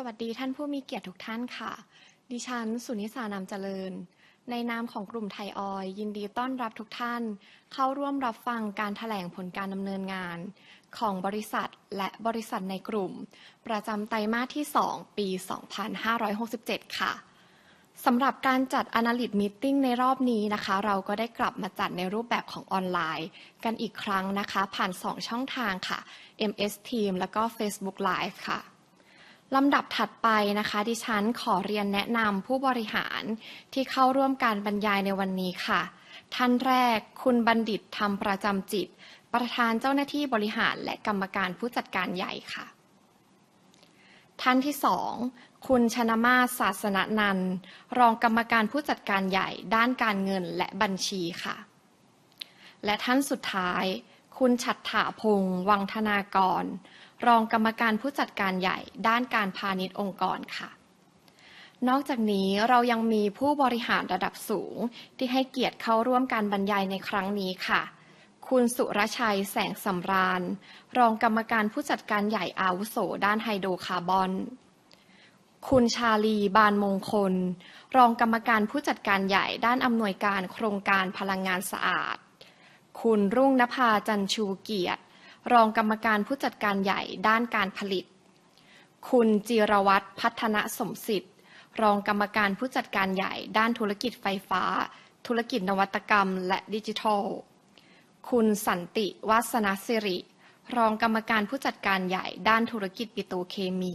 สวัสดีท่านผู้มีเกียรติทุกท่านค่ะดิฉันสุนิษานามเจริญในนามของกลุ่มไทยออยล์ยินดีต้อนรับทุกท่านเข้าร่วมรับฟังการแถลงผลการดำเนินงานของบริษัทและบริษัทในกลุ่มประจำไตรมาสที่สองปี2567ค่ะสำหรับการจัด Analyst Meeting ในรอบนี้นะคะเราก็ได้กลับมาจัดในรูปแบบของออนไลน์กันอีกครั้งนะคะผ่านสองช่องทางค่ะ MS Teams แล้วก็ Facebook Live ค่ะลำดับถัดไปนะคะดิฉันขอเรียนแนะนำผู้บริหารที่เข้าร่วมการบรรยายในวันนี้ค่ะท่านแรกคุณบัณฑิตธรรมประจำจิตประธานเจ้าหน้าที่บริหารและกรรมการผู้จัดการใหญ่ค่ะท่านที่สองคุณชนมาสศาสนันท์รองกรรมการผู้จัดการใหญ่ด้านการเงินและบัญชีค่ะและท่านสุดท้ายคุณฉัฏฐพงศ์วังธนากรรองกรรมการผู้จัดการใหญ่ด้านการพาณิชย์องค์กรค่ะนอกจากนี้เรายังมีผู้บริหารระดับสูงที่ให้เกียรติเข้าร่วมการบรรยายในครั้งนี้ค่ะคุณสุรชัยแสงสำราญรองกรรมการผู้จัดการใหญ่อาวุโสด้านไฮโดรคาร์บอนคุณชาลีบานมงคลรองกรรมการผู้จัดการใหญ่ด้านอำนวยการโครงการพลังงานสะอาดคุณรุ่งนภาจันทร์ชูเกียรติรองกรรมการผู้จัดการใหญ่ด้านการผลิตคุณจิรวัฒน์พัฒนสมสิทธิ์รองกรรมการผู้จัดการใหญ่ด้านธุรกิจไฟฟ้าธุรกิจนวัตกรรมและดิจิทัลคุณสันติวาสน์ศิริรองกรรมการผู้จัดการใหญ่ด้านธุรกิจปิโตรเคมี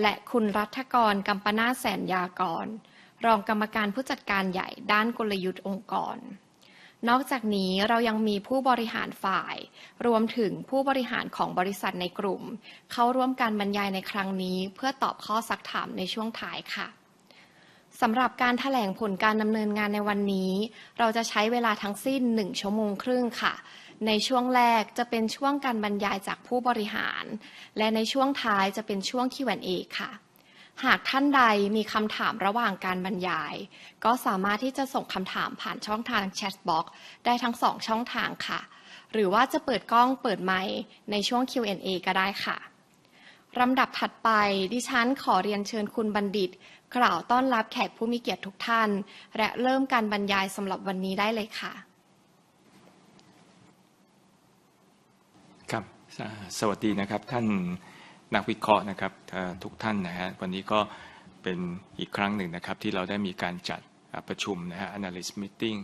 และคุณรัฐกรกัมปนาทแสนยากรรองกรรมการผู้จัดการใหญ่ด้านกลยุทธ์องค์กรนอกจากนี้เรายังมีผู้บริหารฝ่ายรวมถึงผู้บริหารของบริษัทในกลุ่มเข้าร่วมการบรรยายในครั้งนี้เพื่อตอบข้อซักถามในช่วงท้ายค่ะสำหรับการแถลงผลการดำเนินงานในวันนี้เราจะใช้เวลาทั้งสิ้นหนึ่งชั่วโมงครึ่งค่ะในช่วงแรกจะเป็นช่วงการบรรยายจากผู้บริหารและในช่วงท้ายจะเป็นช่วง Q&A ค่ะหากท่านใดมีคำถามระหว่างการบรรยายก็สามารถที่จะส่งคำถามผ่านช่องทาง Chatbox ได้ทั้งสองช่องทางค่ะหรือว่าจะเปิดกล้องเปิดไมค์ในช่วง Q&A ก็ได้ค่ะลำดับถัดไปดิฉันขอเรียนเชิญคุณบัณฑิตกล่าวต้อนรับแขกผู้มีเกียรติทุกท่านและเริ่มการบรรยายสำหรับวันนี้ได้เลยค่ะครับสวัสดีนะครับท่านนักวิเคราะห์นะครับทุกท่านนะวันนี้ก็เป็นอีกครั้งหนึ่งนะครับที่เราได้มีการจัดประชุมนะ Analyst Meeting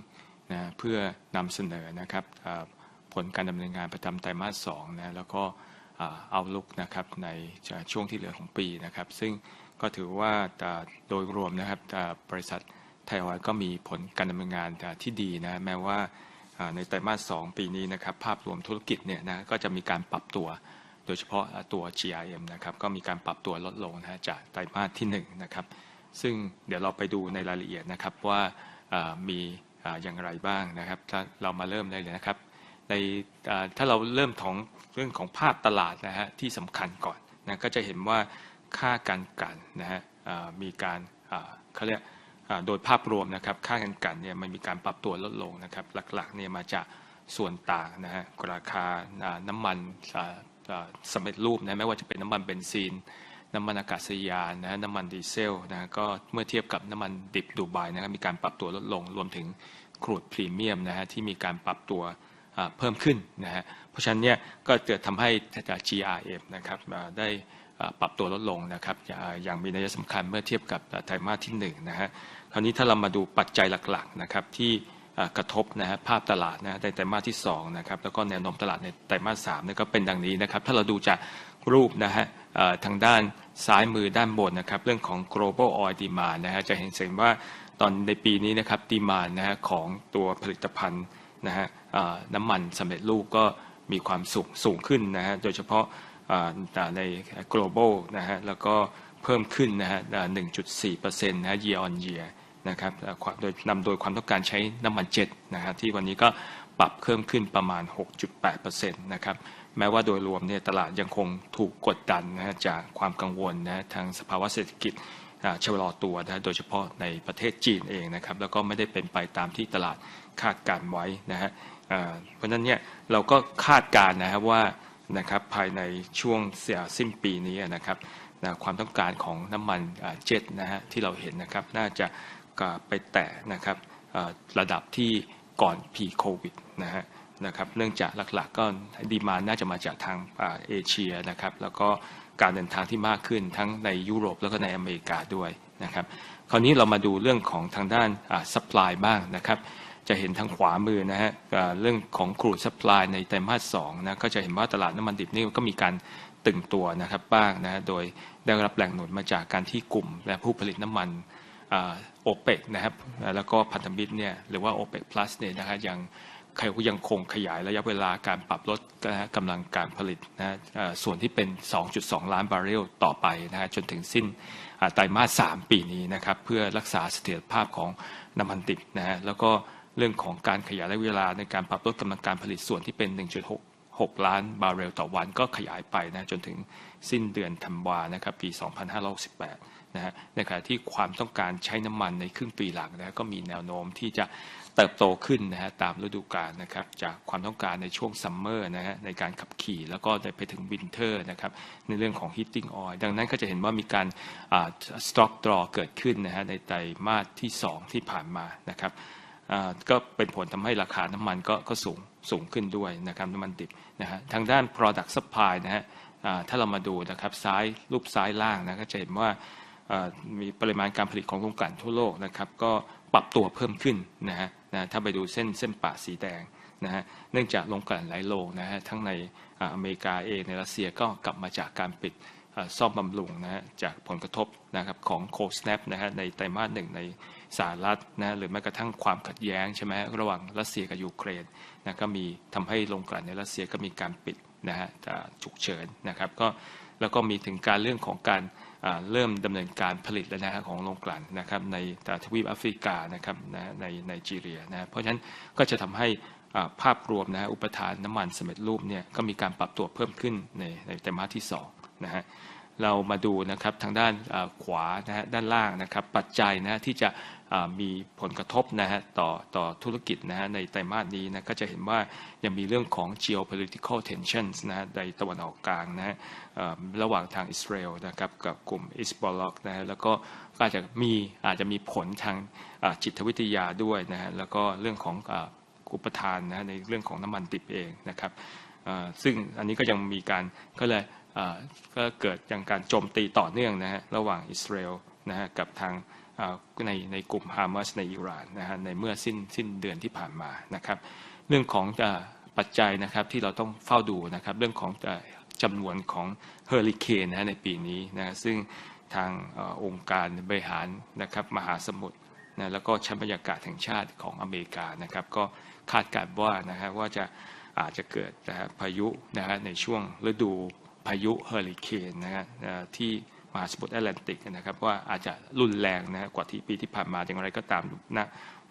นะเพื่อนำเสนอนะครับผลการดำเนินงานประจำไตรมาสสองนะแล้วก็ Outlook นะครับในช่วงที่เหลือของปีนะครับซึ่งก็ถือว่าโดยรวมนะครับบริษัทไทยออยล์ก็มีผลการดำเนินงานที่ดีนะแม้ว่าในไตรมาสสองปีนี้นะครับภาพรวมธุรกิจนี่นะก็จะมีการปรับตัวโดยเฉพาะตัว GRM นะครับก็มีการปรับตัวลดลงนะจากไตรมาสที่หนึ่งนะครับซึ่งเดี๋ยวเราไปดูในรายละเอียดนะครับว่ามีอย่างไรบ้างนะครับถ้าเราเริ่มได้เลยนะครับในถ้าเราเริ่มของเรื่องของภาพตลาดนะที่สำคัญก่อนนะก็จะเห็นว่าค่าการกลั่นนะมีการเข้าเรียกโดยภาพรวมนะครับค่าการกลั่นนี่มันมีการปรับตัวลดลงนะครับหลักๆนี่มาจากส่วนต่างนะราคานำมันสำเร็จรูปนะไม่ว่าจะเป็นนำมันเบนซินนำมันอากาศยานนะนำมันดีเซลนะก็เมื่อเทียบกับนำมันดิบดูไบนะครับมีการปรับตัวลดลงรวมถึงครูดพรีเมียมนะที่มีการปรับตัวเพิ่มขึ้นนะเพราะฉะนั้นนี่ก็จะทำให้ GRM นะครับได้ปรับตัวลดลงนะครับอย่างมีนัยยะสำคัญเมื่อเทียบกับไตรมาสที่หนึ่งนะครั้งนี้ถ้าเรามาดูปัจจัยหลักๆนะครับที่กระทบนะภาพตลาดนะในไตรมาสที่สองนะครับแล้วก็แนวโน้มตลาดในไตรมาสสามนะก็เป็นดังนี้นะครับถ้าเราดูจากรูปนะทางด้านซ้ายมือด้านบนนะครับเรื่องของ Global Oil Demand นะจะเห็นว่าตอนในปีนี้นะครับ Demand นะของตัวผลิตภัณฑ์นะนำมันสำเร็จรูปก็มีความสูงสูงขึ้นนะโดยเฉพาะใน Global นะแล้วก็เพิ่มขึ้นนะหนึ่งจุดสี่เปอร์เซ็นต์นะ Year on Year นะครับโดยนำโดยความต้องการใช้นำมันเจ็ทนะที่วันนี้ก็ปรับเพิ่มขึ้นประมาณหกจุดแปดเปอร์เซ็นต์นะครับแม้ว่าโดยรวมนี่ตลาดยังคงถูกกดดันนะจากความกังวลนะทางสภาวะเศรษฐกิจชะลอตัวนะโดยเฉพาะในประเทศจีนเองนะครับแล้วก็ไม่ได้เป็นไปตามที่ตลาดคาดการณ์ไว้นะเพราะฉะนั้นนี่เราก็คาดการณ์นะว่านะครับภายในช่วงสิ้นปีนี้นะครับนะความต้องการของนำมันเจ็ทนะที่เราเห็นนะครับน่าจะไปแตะนะครับระดับที่ก่อนพรีโควิดนะนะครับเนื่องจากหลักๆก็ Demand น่าจะมาจากทางเอเชียนะครับแล้วก็การเดินทางที่มากขึ้นทั้งในยุโรปและในอเมริกาด้วยนะครับครั้งนี้เรามาดูเรื่องของทางด้านซัพพลายบ้างนะครับจะเห็นทางขวามือนะเรื่องของครูดซัพพลายในไตรมาสสองนะก็จะเห็นว่าตลาดนำมันดิบนี่ก็มีการตึงตัวนะครับบ้างนะโดยได้รับแรงหนุนมาจากการที่กลุ่มและผู้ผลิตนำมันโอเปกนะครับแล้วก็พันธมิตรนี่หรือว่าโอเปกพลัสนี่นะยังใครยังคงขยายระยะเวลาการปรับลดนะกำลังการผลิตนะส่วนที่เป็นสองจุดสองล้านบาร์เรลต่อไปนะจนถึงสิ้นไตรมาสสามปีนี้นะครับเพื่อรักษาเสถียรภาพของนำมันดิบนะแล้วก็เรื่องของการขยายระยะเวลาในการปรับลดกำลังการผลิตส่วนที่เป็นหนึ่งจุดหกหกล้านบาร์เรลต่อวันก็ขยายไปนะจนถึงสิ้นเดือนธันวานะครับปี2568ในขณะที่ความต้องการใช้น้ำมันในครึ่งปีหลังก็มีแนวโน้มที่จะเติบโตขึ้นตามฤดูกาลครับจากความต้องการในช่วงซัมเมอร์ในการขับขี่แล้วก็ไปถึงวินเทอร์ครับในเรื่องของ Heating Oil ดังนั้นก็จะเห็นว่ามีการ Stock Draw เกิดขึ้นในไตรมาสที่สองที่ผ่านมาครับก็เป็นผลทำให้ราคาน้ำมันก็สูงขึ้นด้วยครับน้ำมันดิบทางด้าน Product Supply ถ้าเรามาดูครับซ้ายรูปซ้ายล่างก็จะเห็นว่ามีปริมาณการผลิตของโรงกลั่นทั่วโลกครับก็ปรับตัวเพิ่มขึ้นถ้าไปดูเส้นประสีแดงเนื่องจากโรงกลั่นหลายโรงทั้งในอเมริกาในรัสเซียก็กลับมาจากการปิดซ่อมบำรุงจากผลกระทบครับของ Cold Snap ในไตรมาสหนึ่งในสหรัฐหรือแม้กระทั่งความขัดแย้งใช่ไหมระหว่างรัสเซียกับยูเครนก็มีทำให้โรงกลั่นในรัสเซียก็มีการปิดฉุกเฉินครับแล้วก็มีถึงการเรื่องของการเริ่มดำเนินการผลิตแล้วของโรงกลั่นครับในทวีปแอฟริกาครับในไนจีเรียเพราะฉะนั้นก็จะทำให้ภาพรวมอุปทานน้ำมันสำเร็จรูปก็มีการปรับตัวเพิ่มขึ้นในไตรมาสที่สองเรามาดูครับทางด้านขวาด้านล่างครับปัจจัยที่จะมีผลกระทบต่อธุรกิจในไตรมาสนี้ก็จะเห็นว่ายังมีเรื่องของ Geopolitical Tensions ในตะวันออกกลางระหว่างทางอิสราเอลครับกับกลุ่มฮิซบอลลอห์แล้วก็อาจจะมีผลทางจิตวิทยาด้วยแล้วก็เรื่องของอุปทานในเรื่องของน้ำมันดิบครับซึ่งอันนี้ก็ยังมีการเข้าเรียกก็เกิดจากการโจมตีต่อเนื่องระหว่างอิสราเอลกับทางในกลุ่มฮามาสในอิหร่านในเมื่อสิ้นเดือนที่ผ่านมาครับเรื่องของปัจจัยครับที่เราต้องเฝ้าดูครับเรื่องของจำนวนของเฮอริเคนในปีนี้ซึ่งทางองค์การบริหารครับมหาสมุทรแล้วก็ชั้นบรรยากาศแห่งชาติของอเมริกาครับก็คาดการณ์ว่าจะอาจจะเกิดพายุในช่วงฤดูพายุเฮอริเคนที่มหาสมุทรแอตแลนติกครับว่าอาจจะรุนแรงกว่าที่ปีที่ผ่านมาแต่อย่างไรก็ตามณ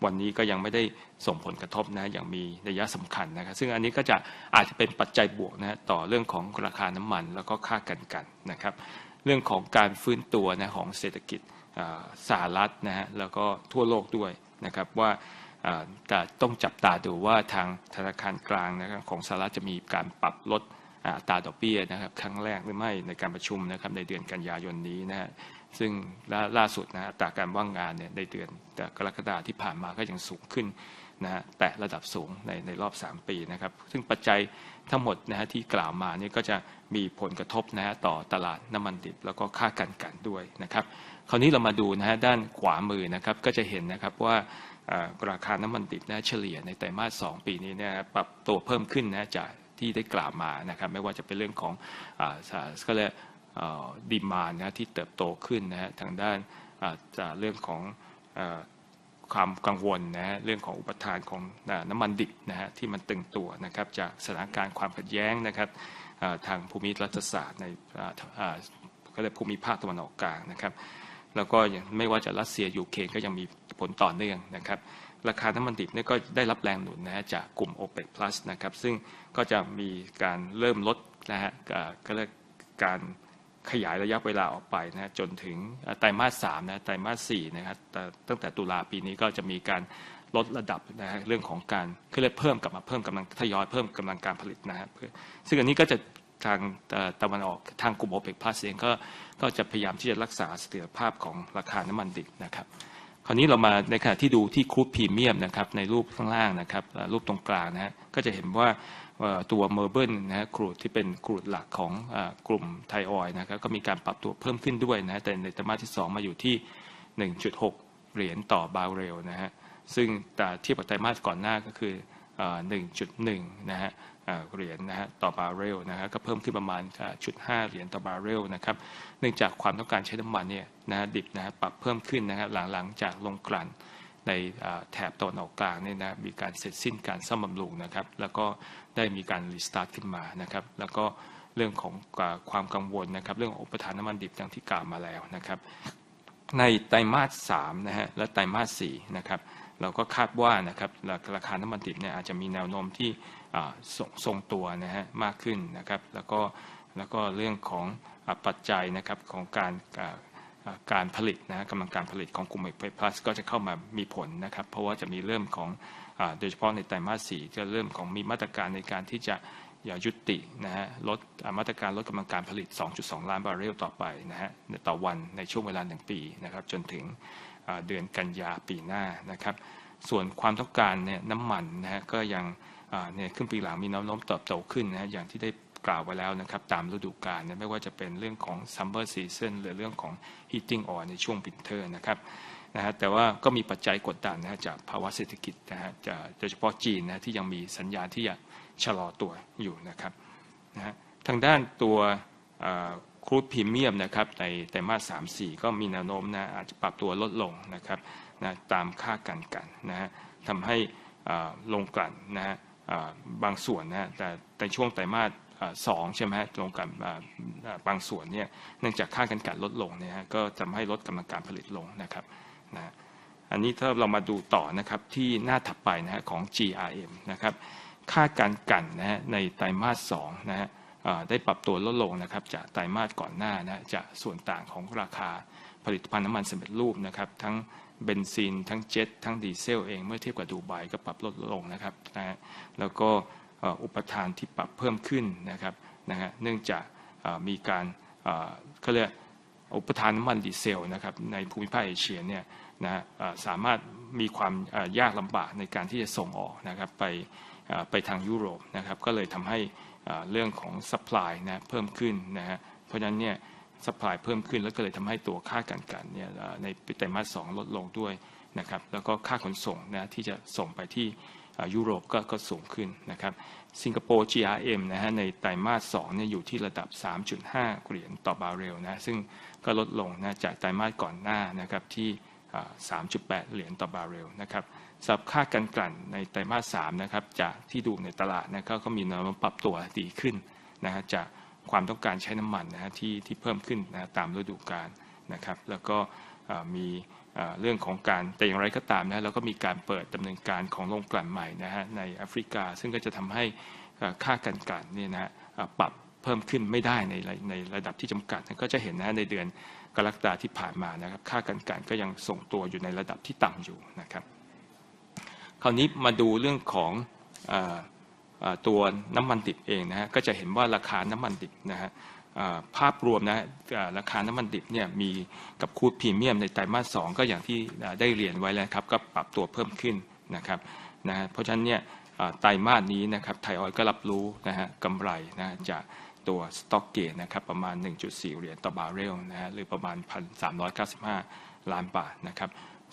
วันนี้ก็ยังไม่ได้ส่งผลกระทบอย่างมีนัยสำคัญครับซึ่งอันนี้ก็จะอาจจะเป็นปัจจัยบวกต่อเรื่องของราคาน้ำมันแล้วก็ค่ากั้นกั้นครับเรื่องของการฟื้นตัวของเศรษฐกิจสหรัฐแล้วก็ทั่วโลกด้วยครับว่าต้องจับตาดูว่าทางธนาคารกลางครับของสหรัฐจะมีการปรับลดอัตราดอกเบี้ยครับครั้งแรกหรือไม่ในการประชุมครับในเดือนกันยายนนี้ซึ่งล่าสุดอัตราการว่างงานในเดือนกรกฎาคมที่ผ่านมาก็ยังสูงขึ้นในระดับสูงในรอบสามปีครับซึ่งปัจจัยทั้งหมดที่กล่าวมานี่ก็จะมีผลกระทบต่อตลาดน้ำมันดิบแล้วก็ค่ากั้นกั้นด้วยครับครั้งนี้เรามาดูด้านขวามือครับก็จะเห็นครับว่าราคาน้ำมันดิบเฉลี่ยในไตรมาสสองปีนี้ปรับตัวเพิ่มขึ้นจากที่ได้กล่าวมาครับไม่ว่าจะเป็นเรื่องของ Demand ที่เติบโตขึ้นทางด้านจากเรื่องของความกังวลเรื่องของอุปทานของน้ำมันดิบที่มันตึงตัวครับจากสถานการณ์ความขัดแย้งครับทางภูมิรัฐศาสตร์ในภูมิภาคตะวันออกกลางครับแล้วก็ยังไม่ว่าจะรัสเซียยูเครนก็ยังมีผลต่อเนื่องครับราคาน้ำมันดิบก็ได้รับแรงหนุนจากกลุ่มโอเปกพลัสครับซึ่งก็จะมีการเริ่มลดการขยายระยะเวลาออกไปจนถึงไตรมาสสามไตรมาสสี่ตั้งแต่ตุลาคมปีนี้ก็จะมีการลดระดับเรื่องของการเพิ่มกลับมาเพิ่มกำลังการผลิตซึ่งอันนี้ก็จะทางตะวันออกทางกลุ่มโอเปกพลัสก็จะพยายามที่จะรักษาเสถียรภาพของราคาน้ำมันดิบครับครั้งนี้เรามาในขณะที่ดูที่ครูดพรีเมียมครับในรูปข้างล่างครับรูปตรงกลางก็จะเห็นว่าตัว Merben ครูดที่เป็นครูดหลักของกลุ่มไทยออยล์ครับก็มีการปรับตัวเพิ่มขึ้นด้วยแต่ในไตรมาสที่สองมาอยู่ที่หนึ่งจุดหกเหรียญต่อบาร์เรลซึ่งเทียบกับไตรมาสก่อนหน้าก็คือหนึ่งจุดหนึ่งเหรียญต่อบาร์เรลก็เพิ่มขึ้นประมาณจุดห้าเหรียญต่อบาร์เรลครับเนื่องจากความต้องการใช้น้ำมันดิบปรับเพิ่มขึ้นหลังจากโรงกลั่นในแถบตะวันออกกลางนี่มีการเสร็จสิ้นการซ่อมบำรุงครับแล้วก็ได้มีการ Restart ขึ้นมาครับแล้วก็เรื่องของความกังวลครับเรื่องของอุปทานน้ำมันดิบดังที่กล่าวมาแล้วครับในไตรมาสสามและไตรมาสสี่ครับเราก็คาดว่าครับราคาน้ำมันดิบอาจจะมีแนวโน้มที่ทรงตัวมากขึ้นครับแล้วก็เรื่องของปัจจัยครับของการผลิตกำลังการผลิตของกลุ่มโอเปกพลัสก็จะเข้ามามีผลครับเพราะว่าจะมีเริ่มของโดยเฉพาะในไตรมาสสี่ก็เริ่มของมีมาตรการในการที่จะยุติลดมาตรการลดกำลังการผลิตสองจุดสองล้านบาร์เรลต่อวันในช่วงเวลาหนึ่งปีครับจนถึงเดือนกันยายนปีหน้าครับส่วนความต้องการน้ำมันก็ยังในครึ่งปีหลังมีแนวโน้มเติบโตขึ้นอย่างที่ได้กล่าวไว้แล้วครับตามฤดูกาลไม่ว่าจะเป็นเรื่องของ Summer Season หรือเรื่องของ Heating Oil ในช่วง Winter ครับแต่ว่าก็มีปัจจัยกดดันจากภาวะเศรษฐกิจจากโดยเฉพาะจีนที่ยังมีสัญญาณที่จะชะลอตัวอยู่ครับทางด้านตัวครูดพรีเมียมครับในไตรมาสสามสี่ก็มีแนวโน้มอาจจะปรับตัวลดลงครับตามค่ากั้นกั้นทำให้โรงกลั่นบางส่วนแต่ในช่วงไตรมาสสองใช่ไหมโรงกลั่นบางส่วนเนื่องจากค่ากั้นกั้นลดลงก็ทำให้ลดกำลังการผลิตลงครับอันนี้ถ้าเรามาดูต่อนะครับที่หน้าถัดไปนะฮะของ GRM นะครับค่าการกลั่นนะฮะในไตรมาสสองนะฮะเอ่อได้ปรับตัวลดลงนะครับจาก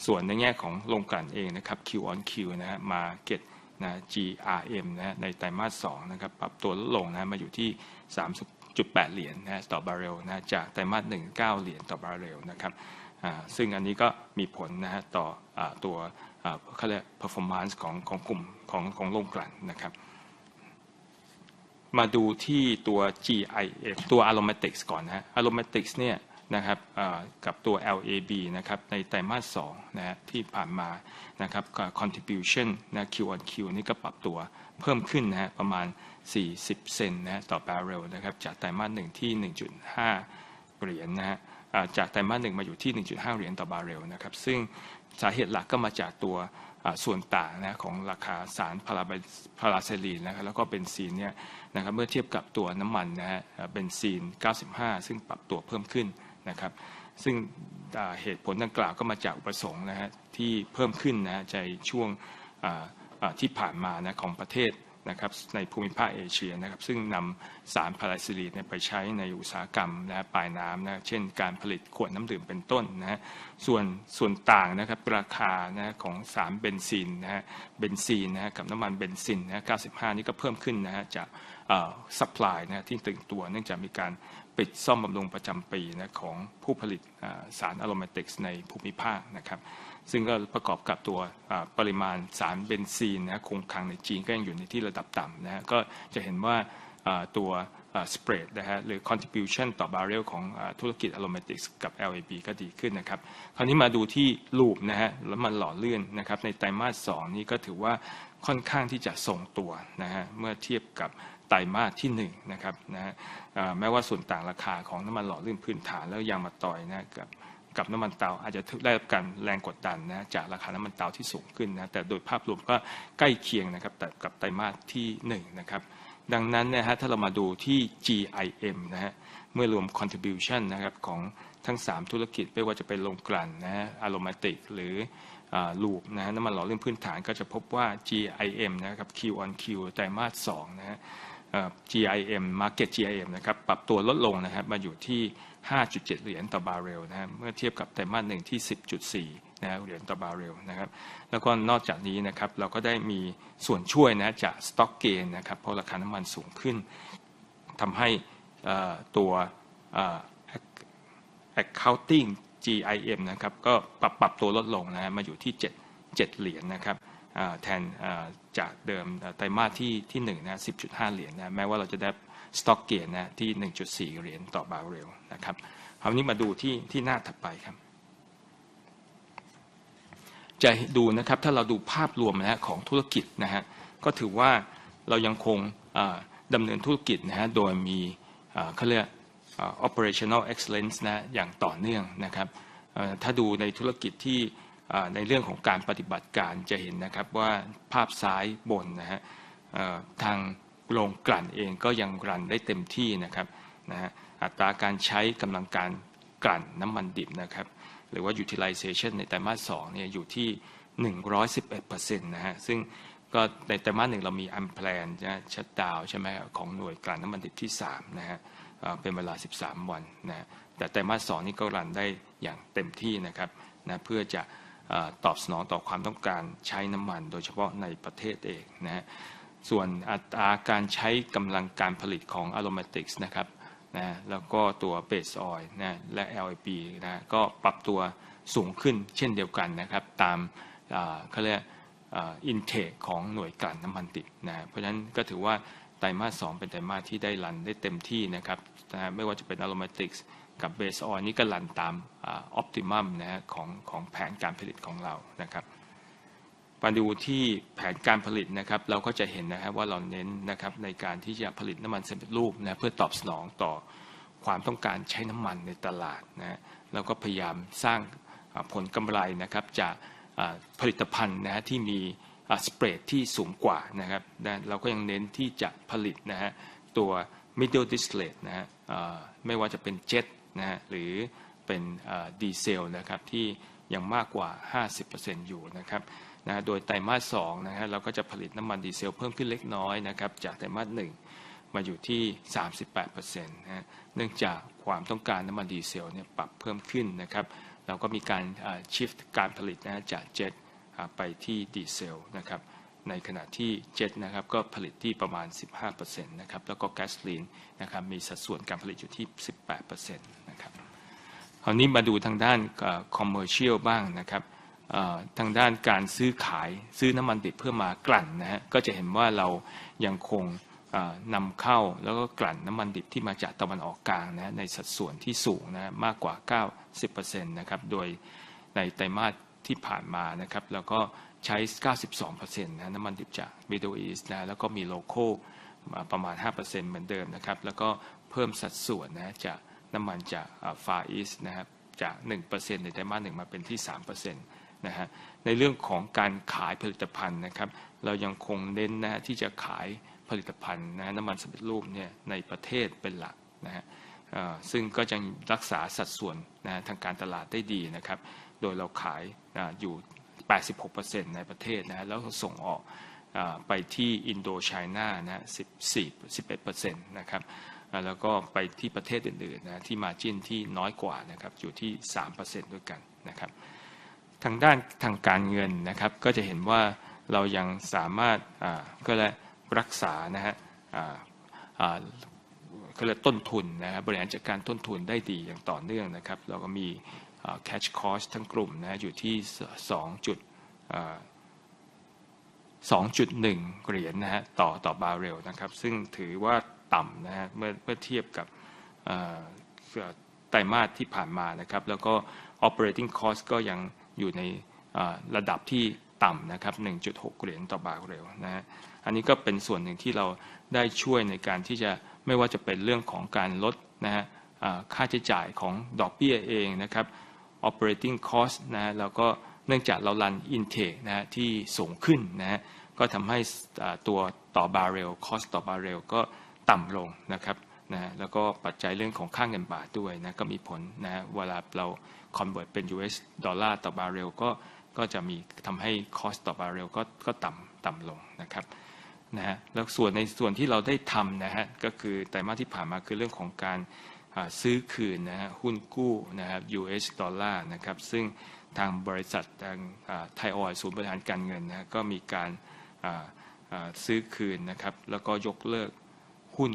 ไตรมาสก่อนหน้านะจากส่วนต่างของราคา่สิบเอ็ดเปอร์เซ็นต์นะครับแล้วก็ไปที่ประเทศอื่นๆนะที่ Margin ที่น้อยกว่านะครับอยู่ที่สามเปอร์เซ็นต์ด้วยกันนะครับทางด้านทางการเงินนะครับก็จะเห็นว่าเรายังสามารถอ่าเขาเรียกรักษานะฮะอ่าอ่าเขาเรียกต้นทุนนะฮะบริหารจัดการต้นทุนได้ดีอย่างต่อเนื่องนะครับเราก็มี Cash Cost ทั้งกลุ่มนะฮะอยู่ที่สองจุดเอ่อสองจุดหนึ่งเหรียญนะฮะต่อต่อบาร์เรลนะครับซึ่งถือว่าต่ำนะฮะเมื่อเมื่อเทียบกับเอ่อไตรมาสที่ผ่านมานะครับแล้วก็ Operating Cost ก็ยังอยู่ในอ่าระดับที่ต่ำนะครับหนึ่งจุดหกเหรียญต่อบาร์เรลนะฮะอันนี้ก็เป็นส่วนหนึ่งที่เราได้ช่วยในการที่จะไม่ว่าจะเป็นเรื่องของการลดนะฮะอ่าค่าใช้จ่ายของดอกเบี้ยเองนะครับ Operating Cost นะฮะแล้วก็เนื่องจากเรารัน Intake นะฮะที่สูงขึ้นนะฮะก็ทำให้อ่าตัวต่อบาเป็น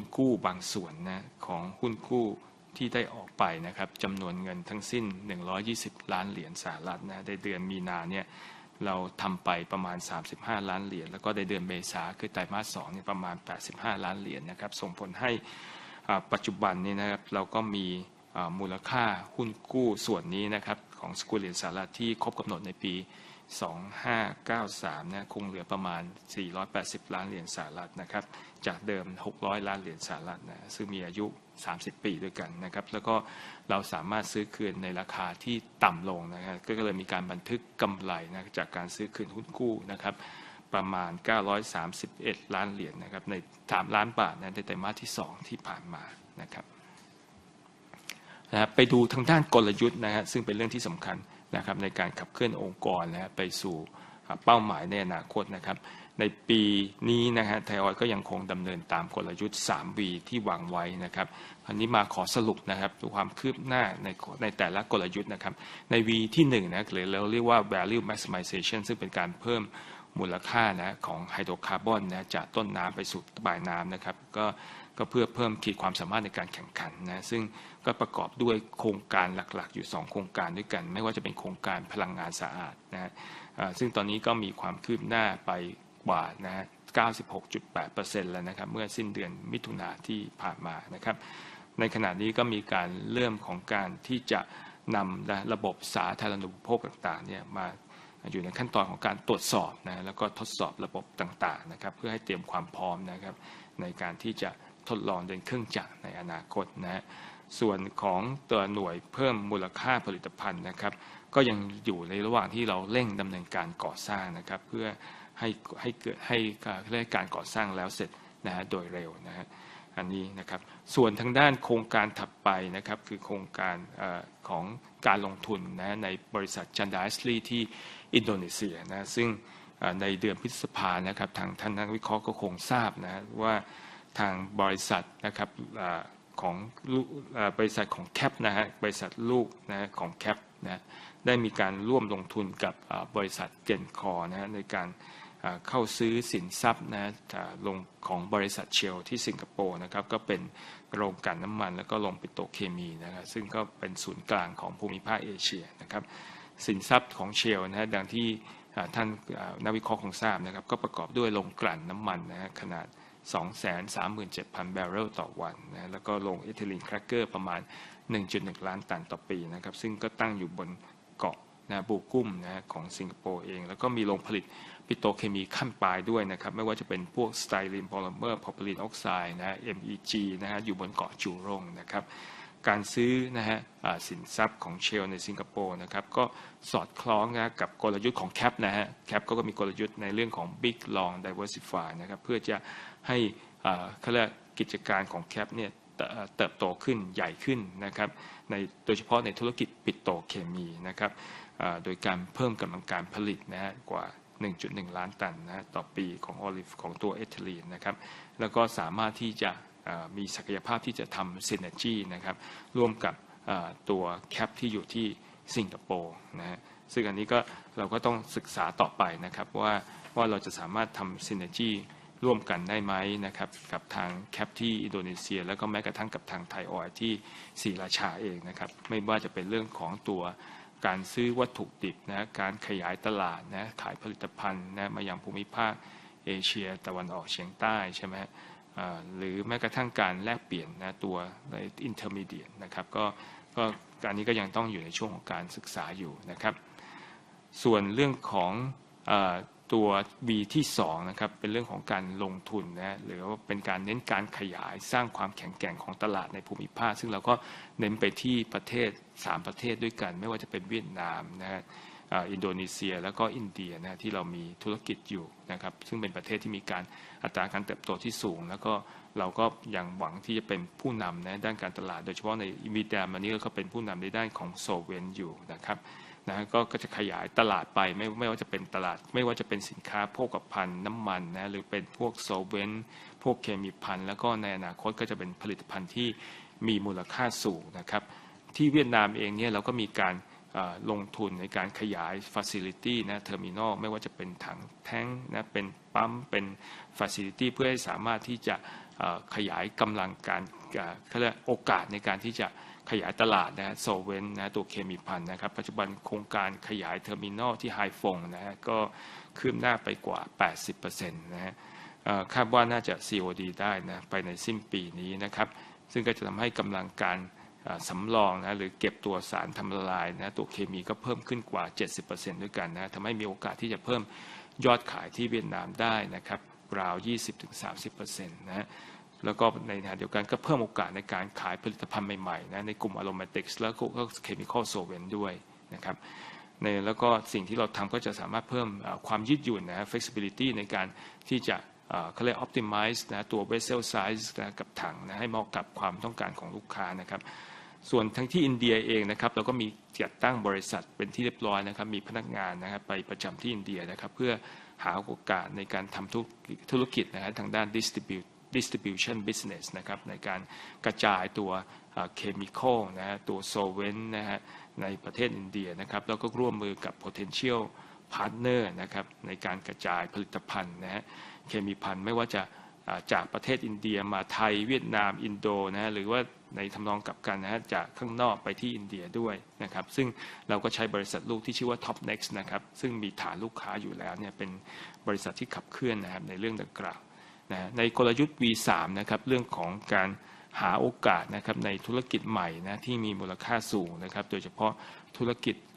เรื่องที่สำคัญนะครับในการขับเคลื่อนองค์กรนะฮะไปสู่เป้าหมายในอนาคตนะครับในปีนี้นะฮะไทยออยล์ก็ยังคงดำเนินตามกลยุทธ์สามวีที่วางไว้นะครับครานี้มาขอสรุปนะครับดูความคืบหน้าในในแต่ละกลยุทธ์นะครับในวีที่หนึ่งนะหรือเราเรียกว่า Value Maximization ซึ่งเป็นการเพิ่มมูลค่านะของไฮโดรคาร์บอนนะจากต้นน้ำไปสู่ปลายน้ำนะครับก็ก็เพื่อเพิ่มขีดความสามารถในการแข่งขันนะซึ่งก็ประกอบด้วยโครงการหลักๆอยู่สองโครงการด้วยกันไม่ว่าจะเป็นโครงการพลังงานสะอาดนะฮะอ่าซึ่งตอนนี้ก็มีความคืบหน้าไปกว่านะฮะเก้าสิบหกจุดแปดเปอร์เซ็นต์แล้วนะครับเมื่อสิ้นเดือนมิถุนายนที่ผ่านมานะครับในขณะนี้ก็มีการเริ่มของการที่จะนำนะระบบสาธารณูปโภคต่างๆเนี่ยม า... อยู่ในขั้นตอนของการตรวจสอบนะฮะแล้วก็ทดสอบระบบต่างๆนะครับเพื่อให้เตรียมความพร้อมนะครับในการที่จะทดลองเดินเครื่องจักรในอนาคตนะฮะส่วนของตัวหน่วยเพิ่มมูลค่าผลิตภัณฑ์นะครับก็ยังอยู่ในระหว่างที่เราเร่งดำเนินการก่อสร้างนะครับเพื่อให้เกิดให้เขาเรียกให้การก่อสร้างแล้วเสร็จนะฮะโดยเร็วนะฮะอันนี้นะครับส่วนทางด้านโครงการถัดไปนะครับคือโครงการของการลงทุนนะฮะในบริษัท Chandra Asri ที่อินโดนีเซียนะซึ่งในเดือนพฤษภานะครับทางท่านนักวิเคราะห์ก็คงทราบนะฮะว่าทางบริษัทนะครับของลูกบริษัทของ CAP นะฮะบริษัทลูกนะฮะของ CAP นะได้มีการร่วมลงทุนกับบริษัท Genco นะฮะในการเข้าซื้อสินทรัพย์นะฮะของบริษัท Shell ที่สิงคโปร์นะครับก็เป็นโรงกลั่นน้ำมันแล้วก็โรงปิโตรเคมีนะฮะซึ่งก็เป็นศูนย์กลางของภูมิภาคเอเชียนะครับสินทรัพย์ของ Shell นะฮะดังที่ท่านนักวิเคราะห์คงทราบนะครับก็ประกอบด้วยโรงกลั่นน้ำมันนะฮะขนาด 237,000 บาร์เรลต่อวันนะแล้วก็โรง Ethylene Cracker ประมาณ 1.1 ล้านตันต่อปีนะครับซึ่งก็ตั้งอยู่บนเกาะบูกุ้มนะฮะของสิงคโปร์เองแล้วก็มีโรงผลิตปิโตรเคมีขั้นปลายด้วยนะครับไม่ว่าจะเป็นพวกสไตลีนพอลิเมอร์ Propylene Oxide นะฮะ MEG นะฮะอยู่บนเกาะจูโรงนะครับการซื้อนะฮะสินทรัพย์ของ Shell ในสิงคโปร์นะครับก็สอดคล้องนะกับกลยุทธ์ของ CAP นะฮะ CAP เขาก็มีกลยุทธ์ในเรื่องของ Big Long Diversify นะครับเพื่อจะให้กิจการของ CAP เนี่ยเติบโตขึ้นใหญ่ขึ้นนะครับโดยเฉพาะในธุรกิจปิโตรเคมีนะครับโดยการเพิ่มกำลังการผลิตนะฮะกว่า 1.1 ล้านตันนะฮะต่อปีของ Olive ของตัว Ethylene นะครับแล้วก็สามารถที่จะมีศักยภาพที่จะทำ Synergy นะครับร่วมกับตัว CAP ที่อยู่ที่สิงคโปร์นะฮะซึ่งอันนี้ก็เราก็ต้องศึกษาต่อไปนะครับว่าเราจะสามารถทำ Synergy ร่วมกันได้ไหมนะครับกับทาง CAP ที่อินโดนีเซียแล้วก็แม้กระทั่งกับทาง Thai Oil ที่ศรีราชาเองนะครับไม่ว่าจะเป็นเรื่องของตัวการซื้อวัตถุดิบนะฮะการขยายตลาดนะขายผลิตภัณฑ์นะมายังภูมิภาคเอเชียตะวันออกเฉียงใต้ใช่ไหมฮะหรือแม้กระทั่งการแลกเปลี่ยนนะตัว Intermediate นะครับก็อันนี้ก็ยังต้องอยู่ในช่วงของการศึกษาอยู่นะครับส่วนเรื่องของตัว V ที่สองนะครับเป็นเรื่องของการลงทุนนะฮะหรือว่าเป็นการเน้นการขยายสร้างความแข็งแกร่งของตลาดในภูมิภาคซึ่งเราก็เน้นไปที่ประเทศสามประเทศด้วยกันไม่ว่าจะเป็นเวียดนามนะฮะอินโดนีเซียแล้วก็อินเดียนะฮะที่เรามีธุรกิจอยู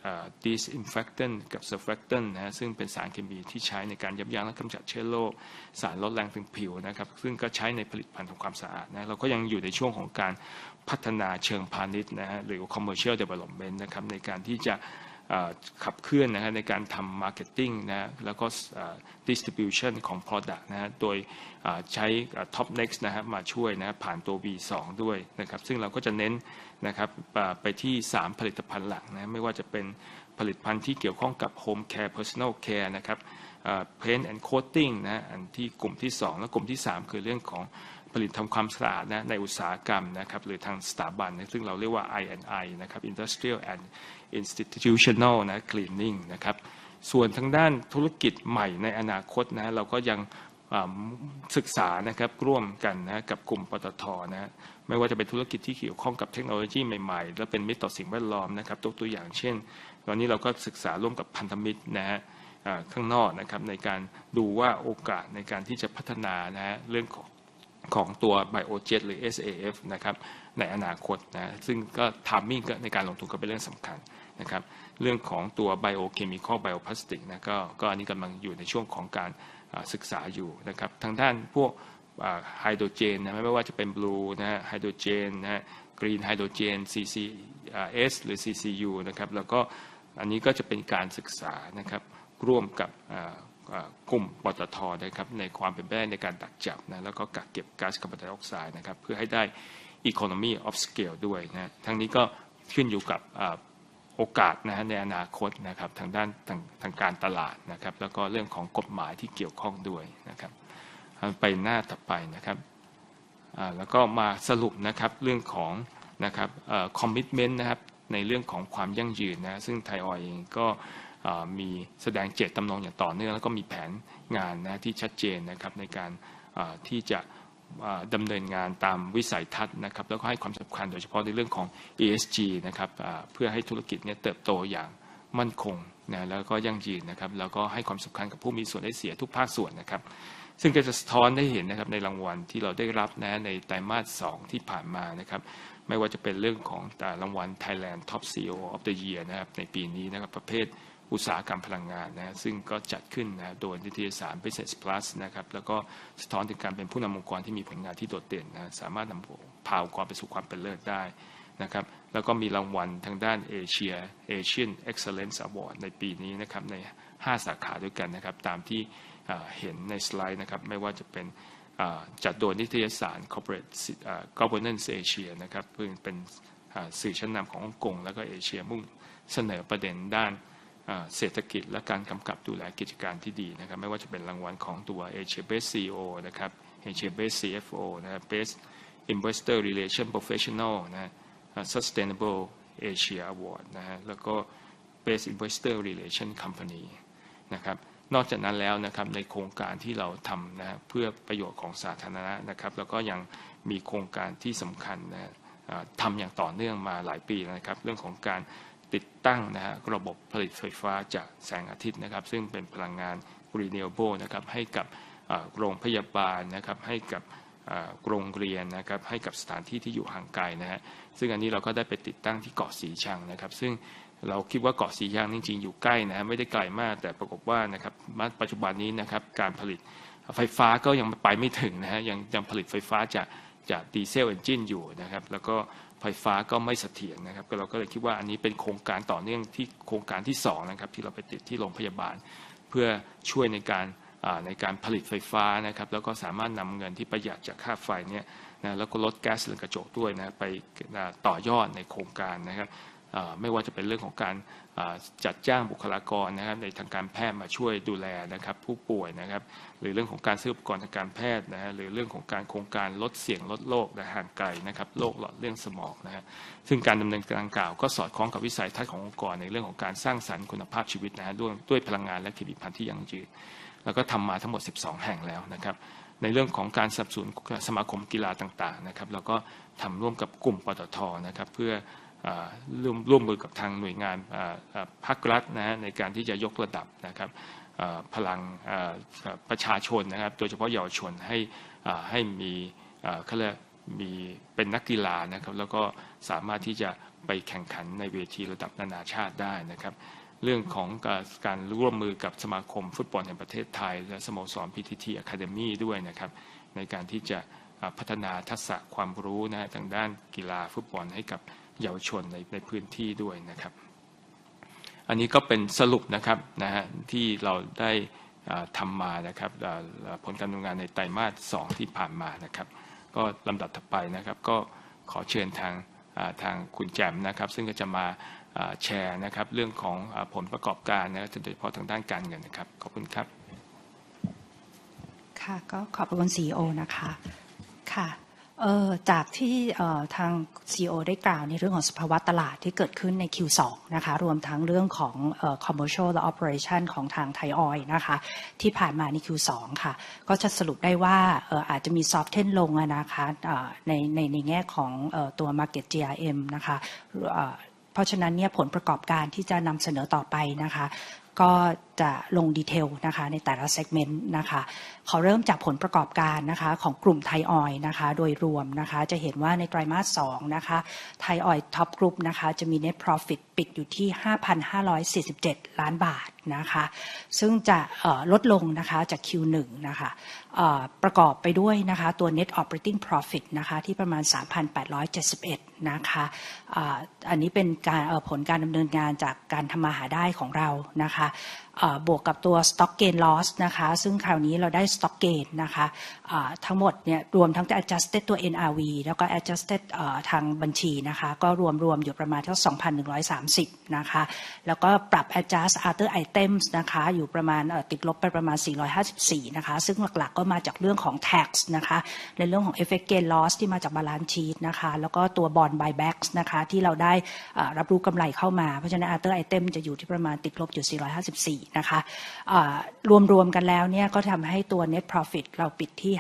่นะครับซึ่งเป็นประเทศที่มีการอัตราการเติบโตที่สูงแล้วก็เราก็ยังหวังที Institutional Cleaning นะครับส่วนทางด้านธุรกิจใหม่ในอนาคตนะฮะเราก็ยังเริ่มศึกษานะครับร่วมกันนะฮะกับกลุ่มปตทนะฮะไม่ว่าจะเป็นธุรกิจที่เกี่ยวข้องกับเทคโนโลยีใหม่ๆและเป็นมิตรต่อสิ่งแวดล้อมนะครับยกตัวอย่างเช่นตอนนี้เราก็ศึกษาร่วมกับพันธมิตรนะฮะข้างนอกนะครับในการดูว่าโอกาสในการที่จะพัฒนานะฮะเรื่องขอ ง... ของตัว Biojet หรือ SAF นะครับในอนาคตนะซึ่งก็ Timing ในการลงทุนก็เป็นเรื่องสำคัญนะครับเรื่องของตัว Biochemical Bioplastic นะก็ก็อันนี้กำลังอยู่ในช่วงของการศึกษาอยู่นะครับทางด้านพวกเอ่อ Hydrogen นะไม่ว่าจะเป็น Blue นะครับ Hydrogen นะ Green Hydrogen, CCS หรือ CCU นะครับแล้วก็อันนี้ก็จะเป็นการศึกษานะครับร่วมกับเอ่อกลุ่มปต ท. นะครับในความเป็นไปได้ในการดักจับนะแล้วก็กักเก็บก๊าซคาร์บอนไดออกไซด์นะครับเพื่อให้ได้ Economy of Scale ด้วยนะทั้งนี้ก็ขึ้นอยู่กับเออโอกาสนะฮะในอนาคตนะครับทางด้านทางการตลาดนะครับแล้วก็เรื่องของกฎหมายที่เกี่ยวข้องด้วยนะครับไปหน้าถัดไปนะครับอ่าแล้วก็มาสรุปนะครับเรื่องของนะครับเออ Commitment นะครับในเรื่องของความยั่งยืนนะซึ่ง Thai Oil เองก็เออมีแสดงเจตจำนงอย่างต่อเนื่องและก็มีแผนงานนะที่ชัดเจนนะครับในการเออที่จะดำเนินงานตามวิสัยทัศน์นะครับแล้วก็ให้ความสำคัญโดยเฉพาะในเรื่องของ ESG นะครับเพื่อให้ธุรกิจเนี่ยเติบโตอย่างมั่นคงนะแล้วก็ยั่งยืนนะครับแล้วก็ให้ความสำคัญกับผู้มีส่วนได้เสียทุกภาคส่วนนะครับซึ่งก็จะสะท้อนให้เห็นนะครับในรางวัลที่เราได้รับนะในไตรมาสสองที่ผ่านมานะครับไม่ว่าจะเป็นเรื่องของรางวัล Thailand Top CEO of the Year นะครับในปีนี้นะครับประเภทอุตสาหกรรมพลังงานนะซึ่งก็จัดขึ้นนะโดยนิตยสาร Business Plus นะครับแล้วก็สะท้อนถึงการเป็นผู้นำองค์กรที่มีผลงานที่โดดเด่นนะสามารถนำพาองค์กรไปสู่ความเป็นเลิศได้นะครับแล้วก็มีรางวัลทางด้านเอเชีย Asian Excellence Awards ในปีนี้นะครับในห้าสาขาด้วยกันนะครับตามที่เห็นในสไลด์นะครับไม่ว่าจะเป็นเออจัดโดยนิตยสาร Corporate Governance Asia นะครับซึ่งเป็นสื่อชั้นนำของฮ่องกงและเอเชียผู้เสนอประเด็นด้านเศรษฐกิจและการกำกับดูแลกิจการที่ดีนะครับไม่ว่าจะเป็นรางวัลของตัว Asia Best CEO นะครับ Asia Best CFO นะครับ Best Investor Relations Professional นะฮะ Sustainable Asia Awards นะฮะแล้วก็ Best Investor Relations Company นะครับนอกจากนั้นแล้วนะครับในโครงการที่เราทำนะเพื่อประโยชน์ของสาธารณะนะครับแล้วก็ยังมีโครงการที่สำคัญนะเออทำอย่างต่อเนื่องมาหลายปีแล้วนะครับเรื่องของการติดตั้งนะฮะระบบผลิตไฟฟ้าจากแสงอาทิตย์นะครับซึ่งเป็นพลังงาน Renewable นะครับให้กับเออโรงพยาบาลนะครับให้กับเออโรงเรียนนะครับให้กับสถานที่ที่อยู่ห่างไกลนะฮะซึ่งอันนี้เราก็ได้ไปติดตั้งที่เกาะสีชังนะครับซึ่งเราคิดว่าเกาะสีชังนี่จริงๆอยู่ใกล้นะฮะไม่ได้ไกลมากแต่ปรากฏว่านะครับณปัจจุบันนี้นะครับการผลิตไฟฟ้าก็ยังไปไม่ถึงนะฮะยังผลิตไฟฟ้าจากดีเซลเอนจิ้นอยู่นะครับแล้วก็ไฟฟ้าก็ไม่เสถียรนะครับเราก็เลยคิดว่าอันนี้เป็นโครงการต่อเนื่องโครงการที่สองนะครับที่เราไปติดที่โรงพยาบาลเพื่อช่วยในการเออในการผลิตไฟฟ้านะครับแล้วก็สามารถนำเงินที่ประหยัดจากค่าไฟเนี่ยนะแล้วก็ลดแก๊สเรือนกระจกด้วยนะไปต่อยอดในโครงการนะครับเออไม่ว่าจะเป็นเรื่องของการเออจัดจ้างบุคลากรนะฮะในทางการแพทย์มาช่วยดูแลนะครับผู้ป่วยนะครับหรือเรื่องของการซื้ออุปกรณ์ทางการแพทย์นะฮะหรือเรื่องของการโครงการลดเสี่ยงลดโรคนะห่างไกลนะครับโรคหลอดเลือดสมองนะฮะซึ่งการดำเนินการดังกล่าวก็สอดคล้องกับวิสัยทัศน์ขององค์กรในเรื่องของการสร้างสรรค์คุณภาพชีวิตนะฮะด้วยพลังงานและผลิตภัณฑ์ที่ยั่งยืนแล้วก็ทำมาทั้งหมดสิบสองแห่งแล้วนะครับในเรื่องของการสนับสนุนสมาคมกีฬาต่างๆนะครับเราก็ทำร่วมกับกลุ่มปต ท. นะครับเพื่อเอ่อร่วมร่วมมือกับทางหน่วยงานเอ่อเอ่อพรรครัฐนะฮะในการที่จะยกระดับนะครับเอ่อพลังเอ่อประชาชนนะครับโดยเฉพาะเยาวชนให้เอ่อให้มีเอ่อเขาเรียกมีเป็นนักกีฬานะครับแล้วก็สามารถที่จะไปแข่งขันในเวทีระดับนานาชาติได้นะครับเรื่องของการร่วมมือกับสมาคมฟุตบอลแห่งประเทศไทยและสโมสร PTT Academy ด้วยนะครับในการที่จะพัฒนาทักษะความรู้นะฮะทางด้านกีฬาฟุตบอลให้กับเยาวชนในในพื้นที่ด้วยนะครับอันนี้ก็เป็นสรุปนะครับนะฮะที่เราได้ทำมานะครับเอ่อผลการดำเนินงานในไตรมาสสองที่ผ่านมานะครับก็ลำดับถัดไปนะครับก็ขอเชิญทางทางคุณแจ่มนะครับซึ่งก็จะมาแชร์นะครับเรื่องของผลประกอบการนะโดยเฉพาะทางด้านการเงินนะครับขอบคุณครับค่ะก็ขอบคุณ CEO นะคะค่ะเอ่อจากที่เอ่อทาง CEO ได้กล่าวในเรื่องของสภาวะตลาดที่เกิดขึ้นใน Q2 นะคะรวมทั้งเรื่องของเอ่อ Commercial และ Operation ของทาง Thai Oil นะคะที่ผ่านมาใน Q2 ค่ะก็จะสรุปได้ว่าเอ่ออาจจะมี Soften ลงอ่ะนะคะเอ่อในในในแง่ของเอ่อตัว Market GRM นะคะเอ่อเพราะฉะนั้นเนี่ยผลประกอบการที่จะนำเสนอต่อไปนะคะก็จะลง Detail นะคะในแต่ละ Segment นะคะขอเริ่มจากผลประกอบการนะคะของกลุ่ม Thai Oil นะคะโดยรวมนะคะจะเห็นว่าในไตรมาสสองนะคะ Thai Oil Group นะคะจะมี Net Profit ปิดอยู่ที่ 5,547 ล้านบาทนะคะซึ่งจะเอ่อลดลงนะคะจาก Q1 นะคะเอ่อประกอบไปด้วยนะคะตัว Net Operating Profit นะคะที่ประมาณ 3,871 นะคะเอ่ออันนี้เป็นการผลการดำเนินงานจากการทำมาหาได้ของเรานะคะเอ่อบวกกับตัว Stock Gain Loss นะคะซึ่งครั้งนี้เราได้ Stock Gain นะคะอ่าทั้งหมดเนี่ยรวมทั้ง Adjusted ตัว NRV แล้วก็ Adjusted เอ่อทางบัญชีนะคะก็รวมรวมอยู่ประมาณสัก 2,130 นะคะแล้วก็ปรับ Adjust Other Items นะคะอยู่ประมาณเอ่อติดลบไปประมาณ454นะคะซึ่งหลักๆก็มาจากเรื่องของ Tax นะคะในเรื่องของ Effect Gain Loss ที่มาจาก Balance Sheet นะคะแล้วก็ตัว Bond Buyback นะคะที่เราได้เอ่อรับรู้กำไรเข้ามาเพราะฉะนั้น Other Items จะอยู่ที่ประมาณติดลบอยู่454นะคะเอ่อรวมรวมกันแล้วเนี่ยก็ทำให้ตัว Net Profit เราปิดที่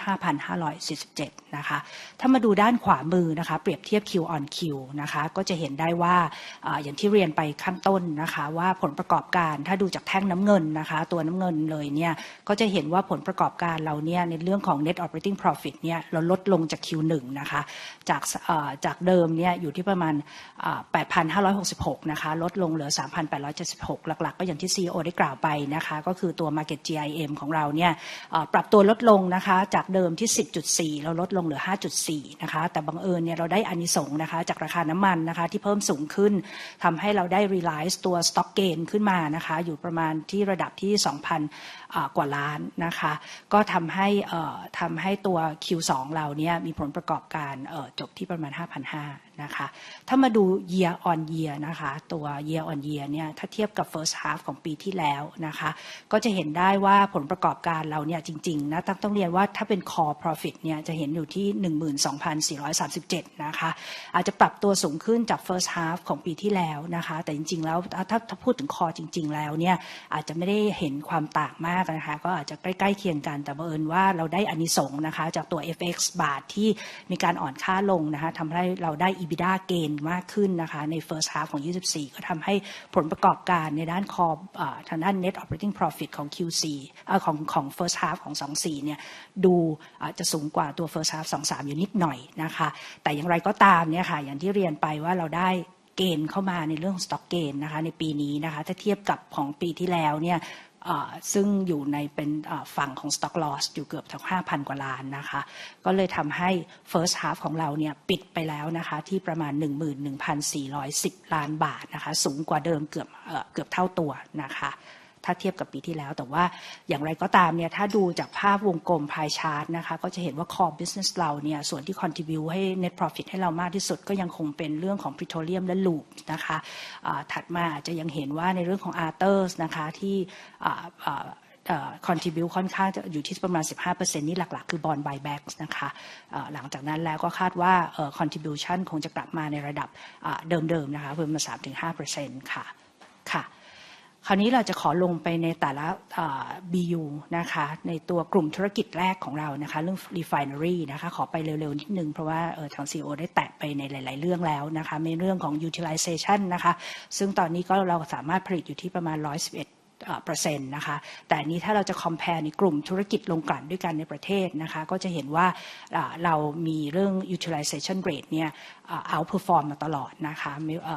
5,547 นะคะถ้ามาดูด้านขวามือนะคะเปรียบเทียบ Q on Q นะคะก็จะเห็นได้ว่าเอ่ออย่างที่เรียนไปข้างต้นนะคะว่าผลประกอบการถ้าดูจากแท่งน้ำเงินนะคะตัวน้ำเงินเลยเนี่ยก็จะเห็นว่าผลประกอบการเราเนี่ยในเรื่องของ Net Operating Profit เนี่ยเราลดลงจาก Q1 นะคะจากเอ่อจากเดิมเนี่ยอยู่ที่ประมาณเอ่อ 8,566 นะคะลดลงเหลือ 3,876 หลักๆก็อย่างที่ CEO ได้กล่าวไปนะคะก็คือตัว Market GRM ของเราเนี่ยเอ่อปรับตัวลดลงนะคะจากเดิมที่ 10.4 เราลดลงเหลือ 5.4 นะคะแต่บังเอิญเราได้อานิสงส์นะคะจากราคาน้ำมันนะคะที่เพิ่มสูงขึ้นทำให้เราได้ Realize ตัว Stock Gain ขึ้นมานะคะอยู่ประมาณที่ระดับที่ 2,000 เออกว่าล้านนะคะก็ทำให้เออทำให้ตัว Q2 เรานี่ยมีผลประกอบการเออจบที่ประมาณห้าพันห้านะคะถ้ามาดู Year on Year นะคะตัว Year on Year นี่ยถ้าเทียบกับ First Half ของปีที่แล้วนะคะก็จะเห็นได้ว่าผลประกอบการเรานี่ยจริงๆน้าตั๊กต้องเรียนว่าถ้าเป็น Core Profit นี่ยจะเห็นอยู่ที่หนึ่งหมื่นสองพันสี่ร้อยสามสิบเจ็ดนะคะอาจจะปรับตัวสูงขึ้นจาก First Half ของปีที่แล้วนะคะแต่จริงๆแล้วถ้าถ้าพูดถึง Core จริงๆแล้วนี่ยอาจจะไม่ได้เห็นความต่างมากนะคะก็อาจจะใกล้ๆเคียงกันแต่เผอิญว่าเราได้อานิสงส์นะคะจากตัว FX บาทที่มีการอ่อนค่าลงนะคะทำให้เราได้ EBITDA Gain มากขึ้นนะคะใน First Half ของ24ก็ทำให้ผลประกอบการในด้าน Core เออทางด้าน Net Operating Profit ของ Q4 เออของของ First Half ของ24นี่ยดูอาจจะสูงกว่าตัว First Half 23อยู่นิดหน่อยนะคะแต่อย่างไรก็ตามนี่ยค่ะอย่างที่เรียนไปว่าเราได้ Gain เข้ามาในเรื่องของ Stock Gain นะคะในปีนี้นะคะถ้าเทียบกับของปีที่แล้วนี่ยเออซึ่งอยู่ในเป็นเออฝั่งของ Stock Loss อยู่เกือบสักห้าพันกว่าล้านนะคะก็เลยทำให้ First Half ของเรานี่ยปิดไปแล้วนะคะที่ประมาณหนึ่งหมื่นหนึ่งพันสี่ร้อยสิบล้านบาทนะคะสูงกว่าเดิมเกือบเออเกือบเท่าตัวนะคะถ้าเทียบกับปีที่แล้วแต่ว่าอย่างไรก็ตามนี่ยถ้าดูจากภาพวงกลมพาย Chart นะคะก็จะเห็นว่า Core Business เรานี่ยส่วนที่ Contribute ให้ Net Profit ให้เรามากที่สุดก็ยังคงเป็นเรื่องของ Petroleum และลูปนะคะเออถัดมาอาจจะยังเห็นว่าในเรื่องของ Others นะคะที่เออเอ่อ Contribute ค่อนข้างจะอยู่ที่ประมาณสิบห้า%นี่หลักๆคือ Bond Buyback นะคะเออหลังจากนั้นแล้วก็คาดว่าเออ Contribution คงจะกลับมาในระดับเออเดิมๆนะคะประมาณสามถึงห้า%ค่ะค่ะคราวนี้เราจะขอลงไปในแต่ละเออ BU นะคะในตัวกลุ่มธุรกิจแรกของเรานะคะเรื่อง Refinery นะคะขอไปเร็วๆนิดนึงเพราะว่าเออทาง CEO ได้แตะไปในหลายๆเรื่องแล้วนะคะในเรื่องของ Utilization นะคะซึ่งตอนนี้ก็เราสามารถผลิตอยู่ที่ประมาณร้อยสิบเอ็ดเออ%นะคะแต่อันนี้ถ้าเราจะ Compare ในกลุ่มธุรกิจโรงกลั่นด้วยกันในประเทศนะคะก็จะเห็นว่าเออเรามีเรื่อง Utilization Rate นี่ย Outperform มาตลอดนะคะไม่เ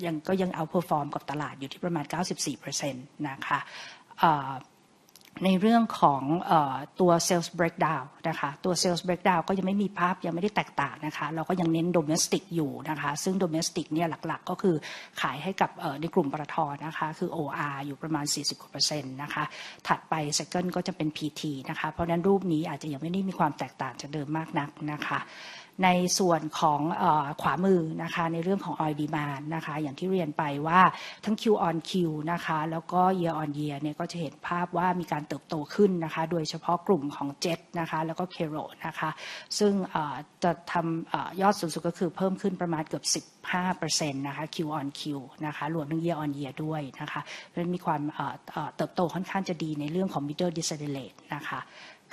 ออยังก็ยัง Outperform กับตลาดอยู่ที่ประมาณเก้าสิบสี่%นะคะเออในเรื่องของเออตัว Sales Breakdown นะคะตัว Sales Breakdown ก็ยังไม่มีภาพยังไม่ได้แตกต่างนะคะเรายังเน้น Domestic อยู่นะคะซึ่ง Domestic นี่ยหลักๆก็คือขายให้กับเออในกลุ่มปต ท. นะคะคือ OR อยู่ประมาณสี่สิบกว่าเปอร์เซ็นต์นะคะถัดไป Second ก็จะเป็น PT นะคะเพราะฉะนั้นรูปนี้อาจจะยังไม่ได้มีความแตกต่างจากเดิมมากนักนะคะในส่วนของเอ่อขวามือนะคะในเรื่องของ Oil Demand นะคะอย่างที่เรียนไปว่าทั้ง Q on Q นะคะแล้วก็ Year on Year เนี่ยก็จะเห็นภาพว่ามีการเติบโตขึ้นนะคะโดยเฉพาะกลุ่มของ Jet นะคะแล้วก็ Kerosene นะคะซึ่งเอ่อจะทำเอ่อยอดสูงสุดก็คือเพิ่มขึ้นประมาณเกือบสิบห้าเปอร์เซ็นต์นะคะ Q on Q นะคะรวมทั้ง Year on Year ด้ว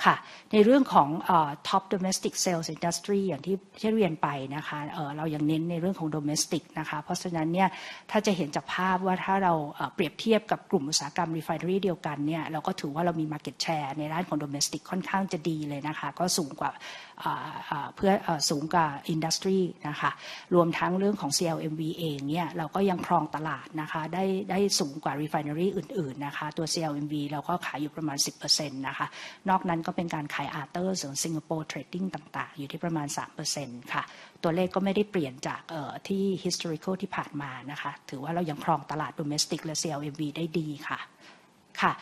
ยนะคะเพราะฉะนั้นมีความเอ่อเอ่อเติบโตค่อนข้างจะดีในเรื่องของ Middle Distillate นะคะค่ะในเรื่องของเอ่อ Top Domestic Sales Industry อย่างที่พี่ตั๊กเรียนไปนะคะเอ่อเรายังเน้นในเรื่องของ Domestic นะคะเพราะฉะนั้นเนี่ยถ้าจะเห็นจากภาพว่าถ้าเราเปรียบเทียบกับกลุ่มอุตสาหกรรม Refinery เดียวกันเนี่ยเราก็ถือว่าเรามี Market Share ในด้านของ Domestic ค่อนข้างจะดีเลยนะคะก็สูงกว่าเอ่อเอ่อเพื่อเอ่อสูงกว่า Industry นะคะรวมทั้งเรื่องของ CLMV เองเนี่ยเราก็ยังครองตลาดนะคะได้ได้สูงกว่า Refinery อื่นๆนะคะตัว CLMV เราก็ขายอยู่ประมาณสิบเปอร์เซ็นต์นะคะนอกนั้นก็เป็นการขาย Others หรือ Singapore Trading ต่างๆอยู่ที่ประมาณสามเปอร์เซ็นต์ค่ะตัวเลขก็ไม่ได้เปลี่ยนจากเอ่อที่ Historical ที่ผ่านมานะคะถือว่าเรายังครองตลาด Domestic และ CLMV ได้ดีค่ะค่ะ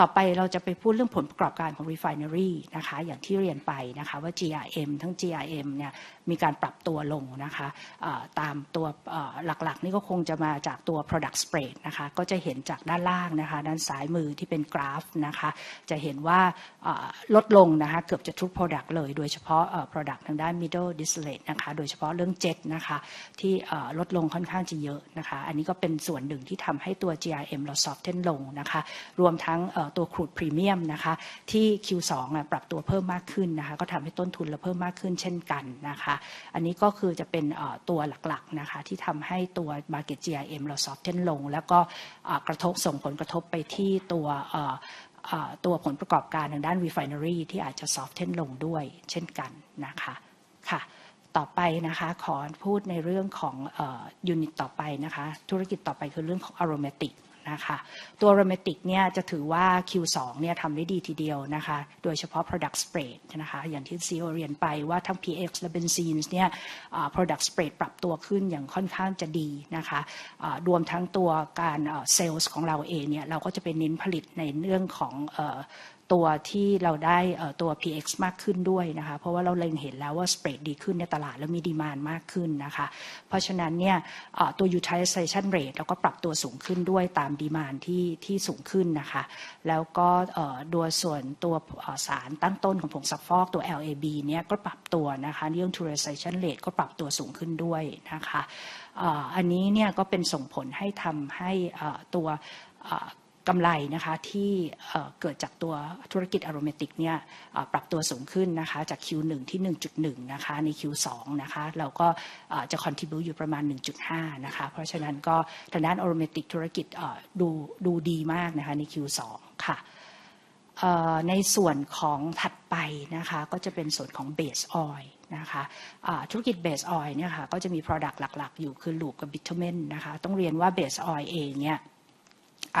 ต่อไปเราจะไปพูดเรื่องผลประกอบการของ Refinery นะคะอย่างที่เรียนไปนะคะว่า GRM ทั้ง GRM เนี่ยมีการปรับตัวลงนะคะเอ่อตามตัวเอ่อหลักๆนี่ก็คงจะมาจากตัว Product Spread นะคะก็จะเห็นจากด้านล่างนะคะด้านซ้ายมือที่เป็นกราฟนะคะจะเห็นว่าเอ่อลดลงนะคะเกือบจะทุก Product เลยโดยเฉพาะเอ่อ Product ทางด้าน Middle Distillate นะคะโดยเฉพาะเรื่อง Jet นะคะที่เอ่อลดลงค่อนข้างจะเยอะนะคะอันนี้ก็เป็นส่วนหนึ่งที่ทำให้ตัว GRM เรา Soften ลงนะคะรวมทั้งเอ่อตัว Crude Premium นะคะที่ Q2 เนี่ยปรับตัวเพิ่มมากขึ้นนะคะก็ทำให้ต้นทุนเราเพิ่มมากขึ้นเช่นกันนะคะอันนี้ก็คือจะเป็นเอ่อตัวหลักๆนะคะที่ทำให้ตัว Market GRM เรา Soften ลงแล้วก็เอ่อกระทบส่งผลกระทบไปที่ตัวเอ่อเอ่อตัวผลประกอบการทางด้าน Refinery ที่อาจจะ Soften ลงด้วยเช่นกันนะคะค่ะต่อไปนะคะขอพูดในเรื่องของเอ่อยูนิตต่อไปนะคะธุรกิจต่อไปคือเรื่องของ Aromatic นะคะตัว Aromatic เนี่ยจะถือว่า Q2 เนี่ยทำได้ดีทีเดียวนะคะโดยเฉพาะ Product Spread นะคะอย่างที่ CEO เรียนไปว่าทั้ง PX และ Benzene เนี่ยเอ่อ Product Spread ปรับตัวขึ้นอย่างค่อนข้างจะดีนะคะเอ่อรวมทั้งตัวการเอ่อ Sales ของเราเองเนี่ยเราก็จะไปเน้นผลิตในเรื่องของเอ่อตัวที่เราได้เอ่อตัว PX มากขึ้นด้วยนะคะเพราะว่าเราเล็งเห็นแล้วว่า Spread ดีขึ้นในตลาดและมี Demand มากขึ้นนะคะเพราะฉะนั้นเนี่ยเอ่อตัว Utilization Rate เราก็ปรับตัวสูงขึ้นด้วยตาม Demand ที่ที่สูงขึ้นนะคะแล้วก็เอ่อตัวส่วนตัวเอ่อสารตั้งต้นของผงซักฟอกตัว LAB เนี่ยก็ปรับตัวนะคะเรื่อง Utilization Rate ก็ปรับตัวสูงขึ้นด้วยนะคะเอ่ออันนี้เนี่ยก็เป็นส่งผลให้ทำให้เอ่อตัวเอ่อกำไรนะคะที่เอ่อเกิดจากตัวธุรกิจ Aromatic เนี่ยเอ่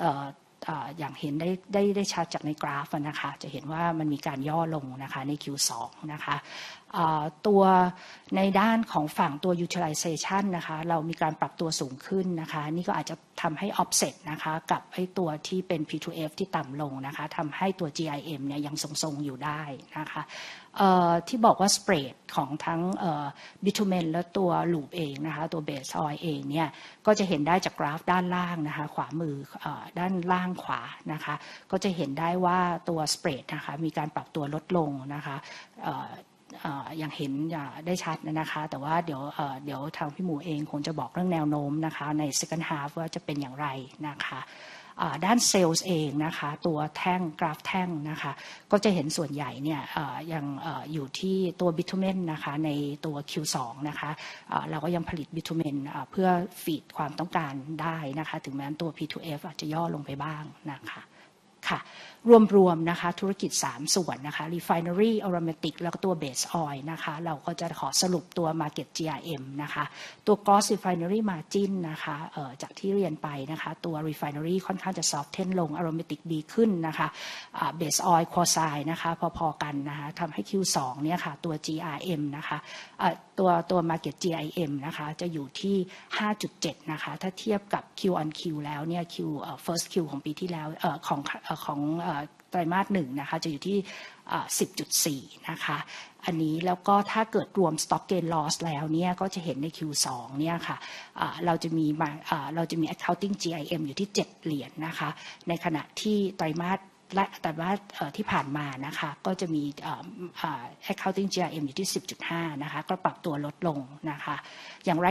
อปรับตัวสูงขึ้นนะคะจาก Q1 ที่หนึ่งจุดหนึ่งนะคะใน Q2 นะคะเราก็เอ่อจะ Contribute อยู่ประมาณหนึ่งจุดห้านะคะเพราะฉะนั้นก็ทางด้าน Aromatic ธุรกิจเอ่อดูดูดีมากนะคะใน Q2 ค่ะเอ่อในส่วนของถัดไปนะคะก็จะเป็นส่วนของ Base Oil นะคะเอ่อธุรกิจ Base Oil เนี่ยค่ะก็จะมี Product หลักๆอยู่คือ Luke กับ Bitumen นะคะต้องเรียนว่า Base Oil เองเนี่ ย... อาจจะยังไม่ค่อยดีมากนะคะตัว GIM ก็ทรงๆนะคะอยู่ระดับที่ Q2 กับ Q1 ใกล้ๆกันจริงๆ Q2 จะเรียกว่ายอดตัวลงนิดนึงนะคะแต่เราปรับนะคะจากจุดศูนย์จุดสามนิดๆนะคะเราก็ปรับเป็นศูนย์จุดสี่เพราะฉะนั้นจะเห็นว่ามันยังทรงๆอยู่นะคะเหตุผลหลักนะคะก็คือเรื่องของ Product นะคะตัว Spread ตัว P2F จะเห็นได้เลยค่ะ Q on Q มีการปรับตัวลงนะคะจากอย่างเห็นได้ชัดจากในกราฟนะคะจะเห็นว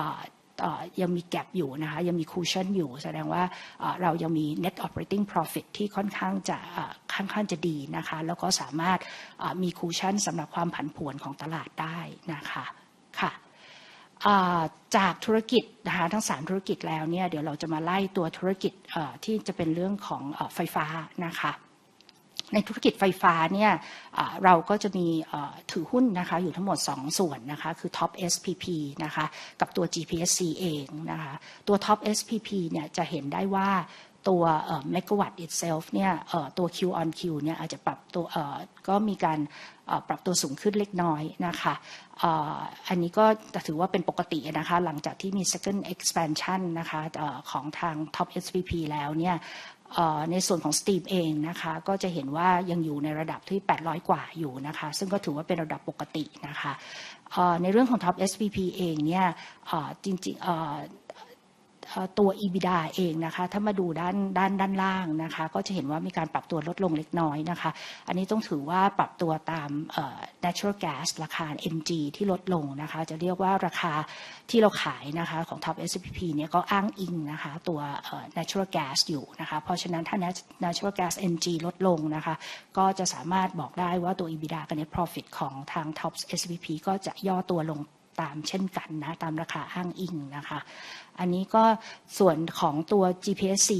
่ามันยในส่วนของ Steam นะคะก็จะเห็นว่ายังอยู่ในระดับที่แปดร้อยกว่าอยู่นะคะซึ่งก็ถือว่าเป็นระดับปกตินะคะในเรื่องของ Top SPP นี่ยจริงๆตัว EBITDA นะคะถ้ามาดูด้านด้านล่างนะคะก็จะเห็นว่ามีการปรับตัวลดลงเล็กน้อยนะคะอันนี้ต้องถือว่าปรับตัวตาม Natural Gas ราคา NG ที่ลดลงนะคะจะเรียกว่าราคาที่เราขายนะคะของ Top SPP นี่ยก็อ้างอิงนะคะตัว Natural Gas อยู่นะคะเพราะฉะนั้นถ้า Natural Gas NG ลดลงนะคะก็จะสามารถบอกได้ว่าตัว EBITDA กับ Net Profit ของทาง Top SPP ก็จะย่อตัวลงตามเช่นกันตามราคาอ้างอิงนะคะอันนี้ก็ส่วนของตัว GPSC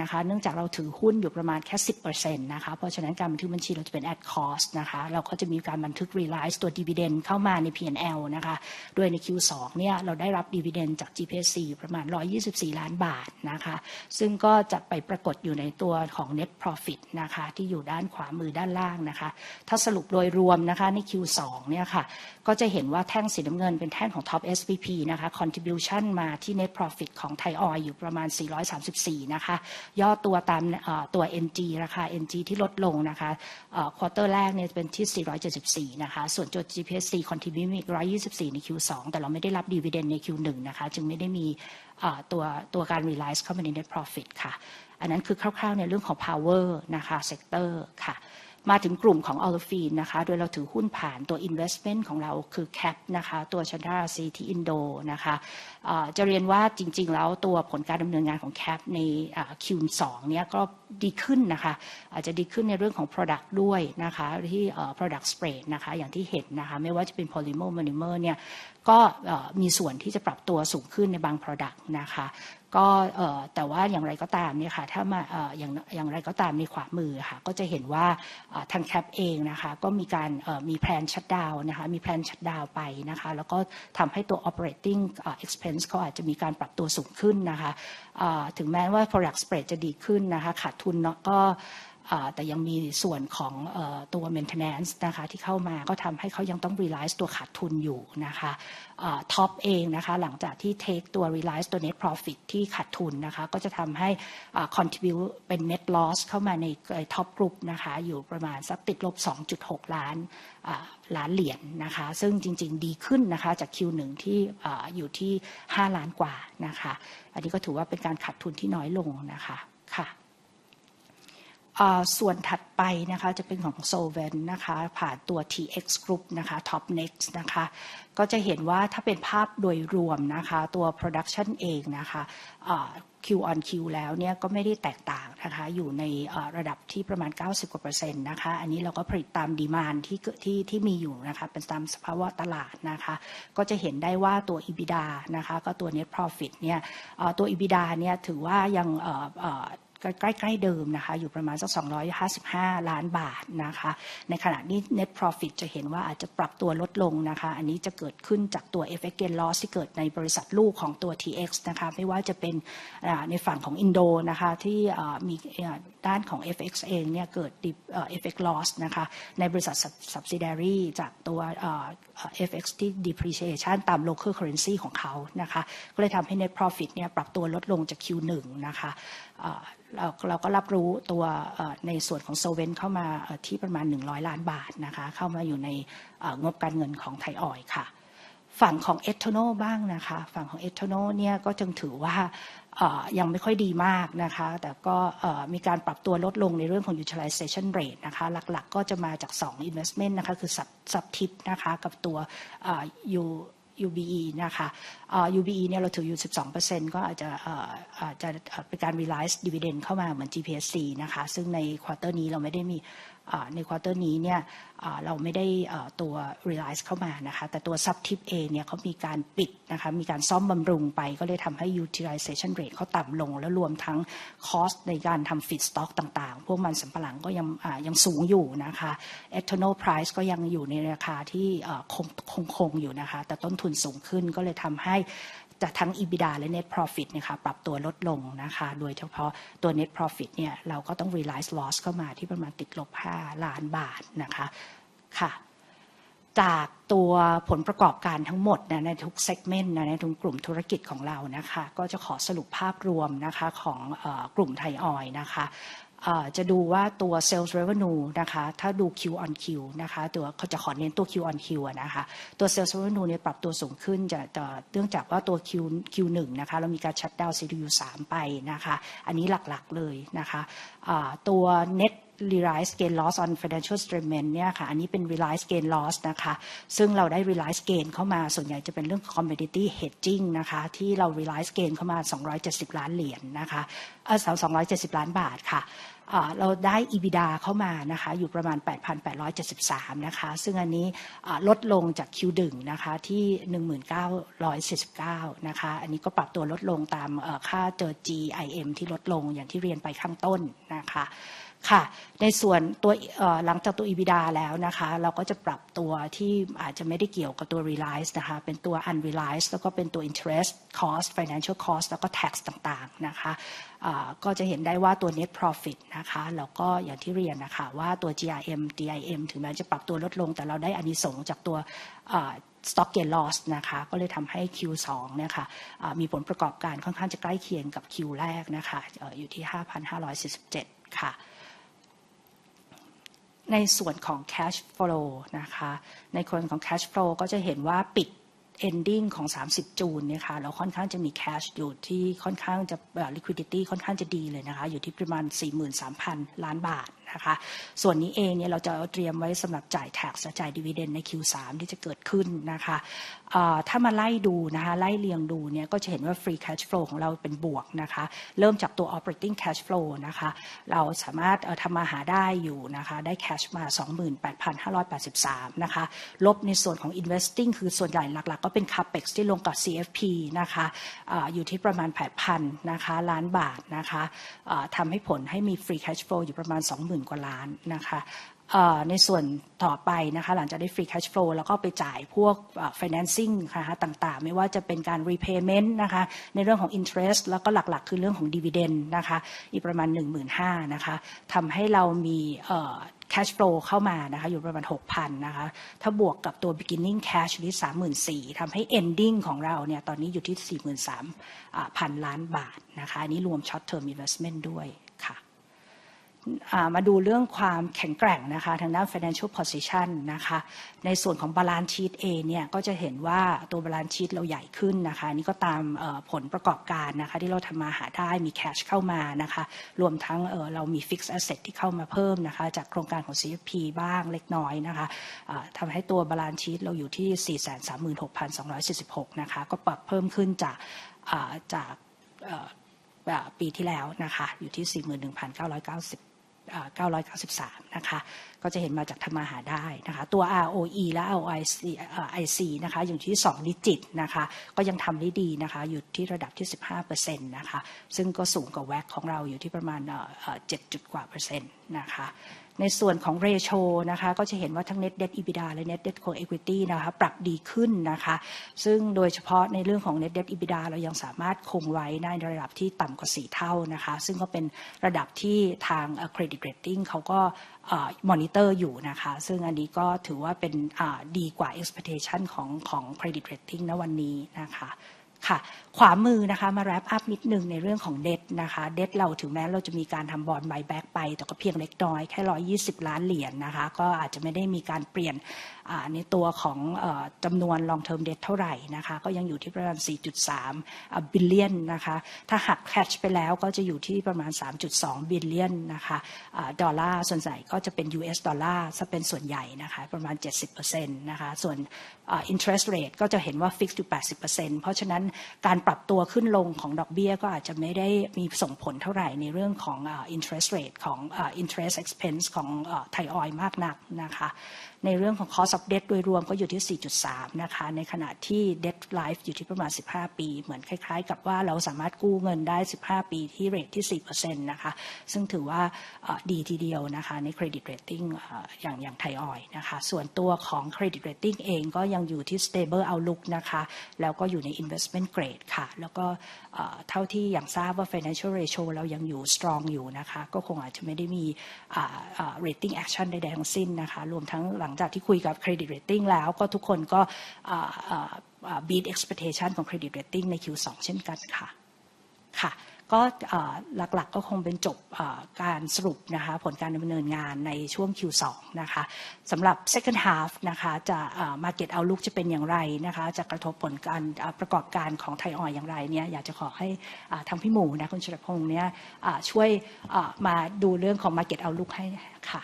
นะคะเนื่องจากเราถือหุ้นอยู่ประมาณแค่สิบเปอร์เซ็นต์นะคะเพราะฉะนั้นการบันทึกบัญชีเราจะเป็น At Cost นะคะเราก็จะมีการบันทึก Realize ตัว Dividend เข้ามาใน PNL นะคะโดยใน Q2 นี่ยเราได้รับ Dividend จาก GPSC อยู่ประมาณร้อยยี่สิบสี่ล้านบาทนะคะซึ่งก็จะไปปรากฏอยู่ในตัวของ Net Profit นะคะที่อยู่ด้านขวามือด้านล่างนะคะถ้าสรุปโดยรวมนะคะใน Q2 นี่ยค่ะก็จะเห็นว่าแท่งสีน้ำเงินเป็นแท่งของ Top SPP นะคะ Contribution มาที่ Net Profit ของ Thai Oil อยู่ประมาณสี่ร้อยสามสิบสี่นะคะย่อตัวตามตัว NG ราคา NG ที่ลดลงนะคะ Quarter แรกนี่ยจะเป็นที่สี่ร้อยเจ็ดสิบสี่นะคะส่วนตัว GPSC Contribute ร้อยยี่สิบสี่ใน Q2 แต่เราไม่ได้รับ Dividend ใน Q1 นะคะจึงไม่ได้มีตัวการ Realize เข้ามาใน Net Profit ค่ะอันนั้นคือคร่าวๆในเรื่องของ Power Sector ค่ะมาถึงกลุ่มของ Olefin นะคะโดยเราถือหุ้นผ่านตัว Investment ของเราคือ CAP นะคะตัว Chandra Asi ที่อินโดนะคะจะเรียนว่าจริงๆแล้วตัวผลการดำเนินงานของ CAP ใน Q2 นี่ยก็ดีขึ้นนะคะอาจจะดีขึ้นในเรื่องของ Product ด้วยนะคะโดยที่ Product Spread นะคะอย่างที่เห็นนะคะไม่ว่าจะเป็น Polymer Monomer นี่ยก็มีส่วนที่จะปรับตัวสูงขึ้นในบาง Product นะคะแต่ว่าอย่างไรก็ตามนี่ยค่ะถ้ามาอย่างไรก็ตามในขวามือค่ะก็จะเห็นว่าทาง CAP นะคะก็มีการมีแพลน Shutdown นะคะมีแพลน Shutdown ไปนะคะแล้วก็ทำให้ตัว Operating Expense เขาอาจจะมีการปรับตัวสูงขึ้นนะคะถึงแม้ว่า Product Spread จะดีขึ้นนะคะขาดทุนก็แต่ยังมีส่วนของตัว Maintenance นะคะที่เข้ามาก็ทำให้เขายังต้อง Realize ตัวขาดทุนอยู่นะคะเออ Top เองนะคะหลังจากที่ take ตัว realized ตัว net profit ที่ขาดทุนนะคะก็จะทำให้เออ contribute เป็น net loss เข้ามาในใน Top Group นะคะอยู่ประมาณสักติดลบสองจุดหกล้านเออล้านเหรียญนะคะซึ่งจริงๆดีขึ้นนะคะจาก Q1 ที่เอออยู่ที่ห้าล้านกว่านะคะอันนี้ก็ถือว่าเป็นการขาดทุนที่น้อยลงนะคะค่ะเออส่วนถัดไปนะคะจะเป็นของ Solvent นะคะผ่านตัว TX Group นะคะ Topnext นะคะก็จะเห็นว่าถ้าเป็นภาพโดยรวมนะคะตัว Production เองนะคะเออ Q on Q แล้วเนี่ยก็ไม่ได้แตกต่างนะคะอยู่ในเออระดับที่ประมาณเก้าสิบกว่าเปอร์เซ็นต์นะคะอันนี้เราก็ผลิตตาม demand ที่ที่ที่มีอยู่นะคะเป็นตามสภาวะตลาดนะคะก็จะเห็นได้ว่าตัว EBITDA นะคะกับตัว Net Profit เนี่ยเออตัว EBITDA เนี่ยถือว่ายังเออเออใกล้ใกล้ๆเดิมนะคะอยู่ประมาณสักสองร้อยห้าสิบห้าล้านบาทนะคะในขณะที่ Net Profit จะเห็นว่าอาจจะปรับตัวลดลงนะคะอันนี้จะเกิดขึ้นจากตัว FX Gain Loss ที่เกิดในบริษัทลูกของตัว TX นะคะไม่ว่าจะเป็นเออในฝั่งของอินโดนะคะที่เออมีด้านของ FX เองเนี่ยเกิดเออ FX Loss นะคะในบริษัท Subsidiary จากตัวเออ FX ที่ Depreciation ตาม Local Currency ของเขานะคะก็เลยทำให้ Net Profit เนี่ยปรับตัวลดลงจาก Q1 นะคะเออเราเราก็รับรู้ตัวเออในส่วนของ Solvent เข้ามาเออที่ประมาณหนึ่งร้อยล้านบาทนะคะเข้ามาอยู่ในเอองบการเงินของ Thai Oil ค่ะฝั่งของ Ethanol บ้างนะคะฝั่งของ Ethanol เนี่ยก็ยังถือว่าเออยังไม่ค่อยดีมากนะคะแต่ก็เออมีการปรับตัวลดลงในเรื่องของ Utilization Rate นะคะหลักๆก็จะมาจากสอง Investment นะคะคือ Sub Subtip นะคะกับตัวเออ U UBE นะคะเออ UBE เนี่ยเราถืออยู่สิบสองเปอร์เซ็นต์ก็อาจจะเอออาจจะเป็นการ realized dividend เข้ามาเหมือน GPSC นะคะซึ่งใน Quarter นี้เราไม่ได้มีเออใน Quarter นี้เนี่ยเออเราไม่ได้เออตัว realized เข้ามานะคะแต่ตัว Subtip เองเนี่ยเขามีการปิดนะคะมีการซ่อมบำรุงไปก็เลยทำให้ Utilization Rate เขาต่ำลงและรวมทั้ง cost ในการทำ feed stock ต่างๆพวกมันสำปะหลังก็ยังเออยังสูงอยู่นะคะ Ethanol Price ก็ยังอยู่ในราคาที่เออคงคงๆอยู่นะคะแต่ต้นทุนสูงขึ้นก็เลยทำให้ทั้ง EBITDA และ Net Profit นะคะปรับตัวลดลงนะคะโดยเฉพาะตัว Net Profit เนี่ยเราก็ต้อง realized loss เข้ามาที่ประมาณติดลบห้าล้านบาทนะคะค่ะจากตัวผลประกอบการทั้งหมดนะในทุก Segment นะในทุกกลุ่มธุรกิจของเรานะคะก็จะขอสรุปภาพรวมนะคะของเออกลุ่ม Thai Oil นะคะเออจะดูว่าตัว Sales Revenue นะคะถ้าดู Q on Q นะคะตัวจะขอเน้นตัว Q on Q อ่ะนะคะตัว Sales Revenue เนี่ยปรับตัวสูงขึ้นจากจากเนื่องจากว่าตัว Q Q1 นะคะเรามีการ Shutdown CDU3 ไปนะคะอันนี้หลักๆเลยนะคะเออตัว Net Realized Gain Loss on Financial Instrument เนี่ยค่ะอันนี้เป็น realized gain loss นะคะซึ่งเราได้ realized gain เข้ามาส่วนใหญ่จะเป็นเรื่อง Commodity Hedging นะคะที่เรา realized gain เข้ามาสองร้อยเจ็ดสิบล้านเหรียญนะคะเออสองร้อยเจ็ดสิบล้านบาทค่ะเออเราได้ EBITDA เข้ามานะคะอยู่ประมาณแปดพันแปดร้อยเจ็ดสิบสามนะคะซึ่งอันนี้เออลดลงจาก Q1 นะคะที่หนึ่งหมื่นเก้าร้อยเจ็ดสิบเก้านะคะอันนี้ก็ปรับตัวลดลงตามเออค่าตัว GIM ที่ลดลงอย่างที่เรียนไปข้างต้นนะคะค่ะในส่วนตัวเออหลังจากตัว EBITDA แล้วนะคะเราก็จะปรับตัวที่อาจจะไม่ได้เกี่ยวกับตัว realized นะคะเป็นตัว unrealized แล้วก็เป็นตัว Interest Cost, Financial Cost แล้วก็ Tax ต่างๆนะคะเออก็จะเห็นได้ว่าตัว Net Profit นะคะแล้วก็อย่างที่เรียนน่ะค่ะว่าตัว GRM GIM ถึงแม้จะปรับตัวลดลงแต่เราได้อานิสงส์จากตัวเออ Stock Gain Loss นะคะก็เลยทำให้ Q2 เนี่ยค่ะเออมีผลประกอบการค่อนข้างจะใกล้เคียงกับ Q แรกนะคะเอออยู่ที่ห้าพันห้าร้อยสี่สิบเจ็ดค่ะในส่วนของ Cash Flow นะคะในส่วนของ Cash Flow ก็จะเห็นว่าปิด ending ของ30มิถุนายนเนี่ยค่ะเราค่อนข้างจะมี Cash อยู่ที่ค่อนข้างจะเออ Liquidity ค่อนข้างจะดีเลยนะคะอยู่ที่ประมาณสี่หมื่นสามพันล้านบาทนะคะส่วนนี้เองเนี่ยเราจะเตรียมไว้สำหรับจ่าย Tax และจ่าย Dividend ใน Q3 ที่จะเกิดขึ้นนะคะเออถ้ามาไล่ดูนะคะไล่เรียงดูเนี่ยก็จะเห็นว่า Free Cash Flow ของเราเป็นบวกนะคะเริ่มจากตัว Operating Cash Flow นะคะเราสามารถทำมาหาได้อยู่นะคะได้ Cash มาสองหมื่นแปดพันห้าร้อยแปดสิบสามนะคะลบในส่วนของ Investing คือส่วนใหญ่หลักๆก็เป็น Capex ที่ลงกับ CFP นะคะเอออยู่ที่ประมาณแปดพันนะคะล้านบาทนะคะเออทำให้ผลให้มี Free Cash Flow อยู่ประมาณสองหมื่นกว่าล้านนะคะเออในส่วนต่อไปนะคะหลังจากได้ Free Cash Flow เราก็เอาไปจ่ายพวกเออ Financing ค่ะต่างๆไม่ว่าจะเป็นการ Repayment นะคะในเรื่องของ Interest แล้วก็หลักๆคือเรื่องของ Dividend นะคะอีกประมาณหนึ่งหมื่นห้านะคะทำให้เรามีเออ Cash Flow เข้ามานะคะอยู่ประมาณหกพันนะคะถ้าบวกกับตัว Beginning Cash ที่สามหมื่นสี่ทำให้ Ending ของเราเนี่ยตอนนี้อยู่ที่สี่หมื่นสามเออพันล้านบาทนะคะอันนี้รวม Short Term Investment ด้วยค่ะเออมาดูเรื่องความแข็งแกร่งนะคะทางด้าน Financial Position นะคะในส่วนของ Balance Sheet เองเนี่ยก็จะเห็นว่าตัว Balance Sheet เราใหญ่ขึ้นนะคะอันนี้ก็ตามเออผลประกอบการนะคะที่เราทำมาหาได้มี Cash เข้ามานะคะรวมทั้งเออเรามี Fixed Asset ที่เข้ามาเพิ่มนะคะจากโครงการของ CFP บ้างเล็กน้อยนะคะเออทำให้ตัว Balance Sheet เราอยู่ที่สี่แสนสามหมื่นหกพันสองร้อยสี่สิบหกนะคะก็ปรับเพิ่มขึ้นจากเออจากเอ อ... อ่อปีที่แล้วนะคะอยู่ที่สี่หมื่นหนึ่งพันเก้าร้อยเก้าสิบอ่อเก้าร้อยเก้าสิบสามนะคะก็จะเห็นมาจากทำมาหาได้นะคะตัว ROE และ ROIC อ่อ IC นะคะอยู่ที่สองหลักนะคะก็ยังทำได้ดีนะคะอยู่ที่ระดับที่สิบห้าเปอร์เซ็นต์นะคะซึ่งก็สูงกว่า WACC ของเราอยู่ที่ประมาณอ่อเจ็ดจุดกว่าเปอร์เซ็นต์นะคะในส่วนของ Ratio นะคะก็จะเห็นว่าทั้ง Net Debt / EBITDA และ Net Debt / Equity นะคะปรับดีขึ้นนะคะซึ่งโดยเฉพาะในเรื่องของ Net Debt / EBITDA เรายังสามารถคงไว้ได้ในระดับที่ต่ำกว่าสี่เท่านะคะซึ่งก็เป็นระดับที่ทาง Credit Rating เขาก็อ่อ Monitor อยู่นะคะซึ่งอันนี้ก็ถือว่าเป็นอ่อดีกว่า Expectation ของของ Credit Rating ณวันนี้นะคะขวามือนะคะมา wrap up นิดนึงในเรื่องของ Debt นะคะ Debt เราถึงแม้เราจะมีการทำ Bond Buyback ไปแต่ก็เพียงเล็กน้อยแค่ร้อยยี่สิบล้านเหรียญนะคะก็อาจจะไม่ได้มีการเปลี่ยนอ่อในตัวของอ่อจำนวน Long Term Debt เท่าไหร่นะคะก็ยังอยู่ที่ประมาณสี่จุดสามอ่อ billion นะคะถ้าหัก Cash ไปแล้วก็จะอยู่ที่ประมาณสามจุดสอง billion นะคะอ่อดอลลาร์ส่วนใหญ่ก็จะเป็น US ดอลลาร์ซะเป็นส่วนใหญ่นะคะประมาณเจ็ดสิบเปอร์เซ็นต์นะคะส่วนอ่อ Interest Rate ก็จะเห็นว่า Fixed อยู่แปดสิบเปอร์เซ็นต์เพราะฉะนั้นการปรับตัวขึ้นลงของดอกเบี้ยก็อาจจะไม่ได้มีส่งผลเท่าไหร่ในเรื่องของอ่อ Interest Rate ของอ่อ Interest Expense ของอ่อ Thai Oil มากนักนะคะในเรื่องของ Cost of Debt โดยรวมก็อยู่ที่สี่จุดสามนะคะในขณะที่ Debt Life อยู่ที่ประมาณสิบห้าปีเหมือนคล้ายๆกับว่าเราสามารถกู้เงินได้สิบห้าปีที่เรทที่สี่เปอร์เซ็นต์นะคะซึ่งถือว่าอ่อดีที่เดียวนะคะใน Credit Rating อ่ออย่างอย่าง Thai Oil นะคะส่วนตัวของ Credit Rating เองก็ยังอยู่ที่ Stable Outlook นะคะแล้วก็อยู่ใน Investment Grade ค่ะแล้วก็อ่อเท่าที่ยังทราบว่า Financial Ratio เรายังอยู่สตรองอยู่นะคะก็คงอาจจะไม่ได้มีอ่อ Rating Action ใดๆทั้งสิ้นนะคะรวมทั้งหลังจากที่คุยกับ Credit Rating แล้วก็ทุกคนก็อ่อ Beat Expectation ของ Credit Rating ใน Q2 เช่นกันค่ะก็อ่อหลักๆก็คงเป็นจบอ่อการสรุปนะคะผลการดำเนินงานในช่วง Q2 นะคะสำหรับ Second Half นะคะจะอ่อ Market Outlook จะเป็นอย่างไรนะคะจะกระทบผลการประกอบการของ Thai Oil อย่างไรเนี่ยอยากจะขอให้ทางพี่หมูนะคุณชุรพงษ์เนี่ยอ่อช่วยอ่อมาดูเรื่องของ Market Outlook ให้ค่ะ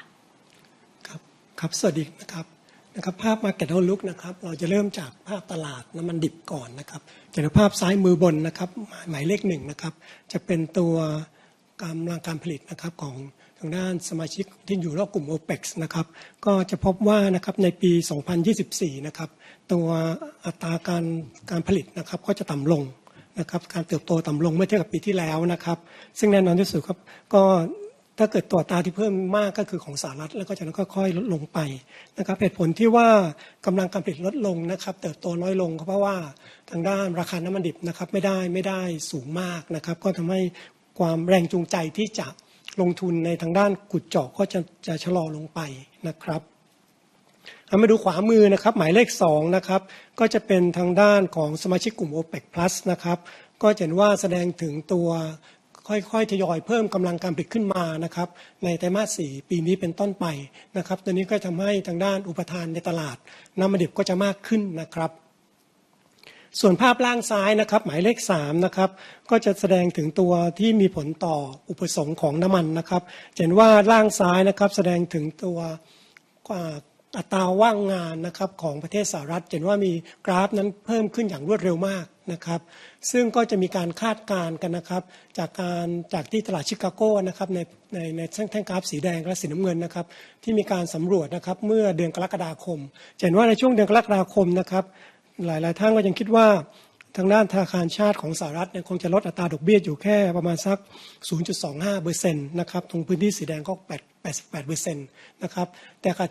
ครับครับสวัสดีนะครับภาพ Market Outlook นะครับเราจะเริ่มจากภาพตลาดน้ำมันดิบก่อนนะครับจากภาพซ้ายมือบนนะครับหมายเลขหนึ่งนะครับจะเป็นตัวกำลังการผลิตนะครับของทางด้านสมาชิกที่อยู่รอบกลุ่มโอเปกนะครับก็จะพบว่านะครับในปี2024นะครับตัวอัตราการผลิตนะครับก็จะต่ำลงนะครับการเติบโตต่ำลงเมื่อเทียบกับปีที่แล้วนะครับซึ่งแน่นอนที่สุดครับก็ถ้าเกิดตัวอัตราที่เพิ่มมากก็คือของสหรัฐแล้วก็จากนั้นก็ค่อยลดลงไปนะครับเหตุผลที่ว่ากำลังการผลิตลดลงนะครับเติบโตน้อยลงก็เพราะว่าทางด้านราคาน้ำมันดิบนะครับไม่ได้สูงมากนะครับก็ทำให้ความแรงจูงใจที่จะลงทุนในทางด้านขุดเจาะก็จะชะลอลงไปนะครับหันมาดูขวามือนะครับหมายเลขสองนะครับก็จะเป็นทางด้านของสมาชิกกลุ่มโอเปกพลัสนะครับก็จะเห็นว่าแสดงถึงตัวค่อยๆทยอยเพิ่มกำลังการผลิตขึ้นมานะครับในไตรมาสสี่ปีนี้เป็นต้นไปนะครับตัวนี้ก็ทำให้ทางด้านอุปทานในตลาดน้ำมันดิบก็จะมากขึ้นนะครับส่วนภาพล่างซ้ายนะครับหมายเลขสามนะครับก็จะแสดงถึงตัวที่มีผลต่ออุปสงค์ของน้ำมันนะครับจะเห็นว่าล่างซ้ายนะครับแสดงถึงตัวอัตราว่างงานนะครับของประเทศสหรัฐจะเห็นว่ามีกราฟนั้นเพิ่มขึ้นอย่างรวดเร็วมากนะครับซึ่งก็จะมีการคาดการณ์กันนะครับจากการจากที่ตลาดชิคาโกนะครับในแท่งกราฟสีแดงและสีน้ำเงินนะครับที่มีการสำรวจนะครับเมื่อเดือนกรกฎาคมจะเห็นว่าในช่วงเดือนกรกฎาคมนะครับหลายๆท่านก็ยังคิดว่าทางด้านธนาคารชาติของสหรัฐฯเนี่ยคงจะลดอัตราดอกเบี้ยอยู่แค่ประมาณสัก 0.25% นะครับตรงพื้นที่สีแดงก็ 88% นะครับแต่ขณะ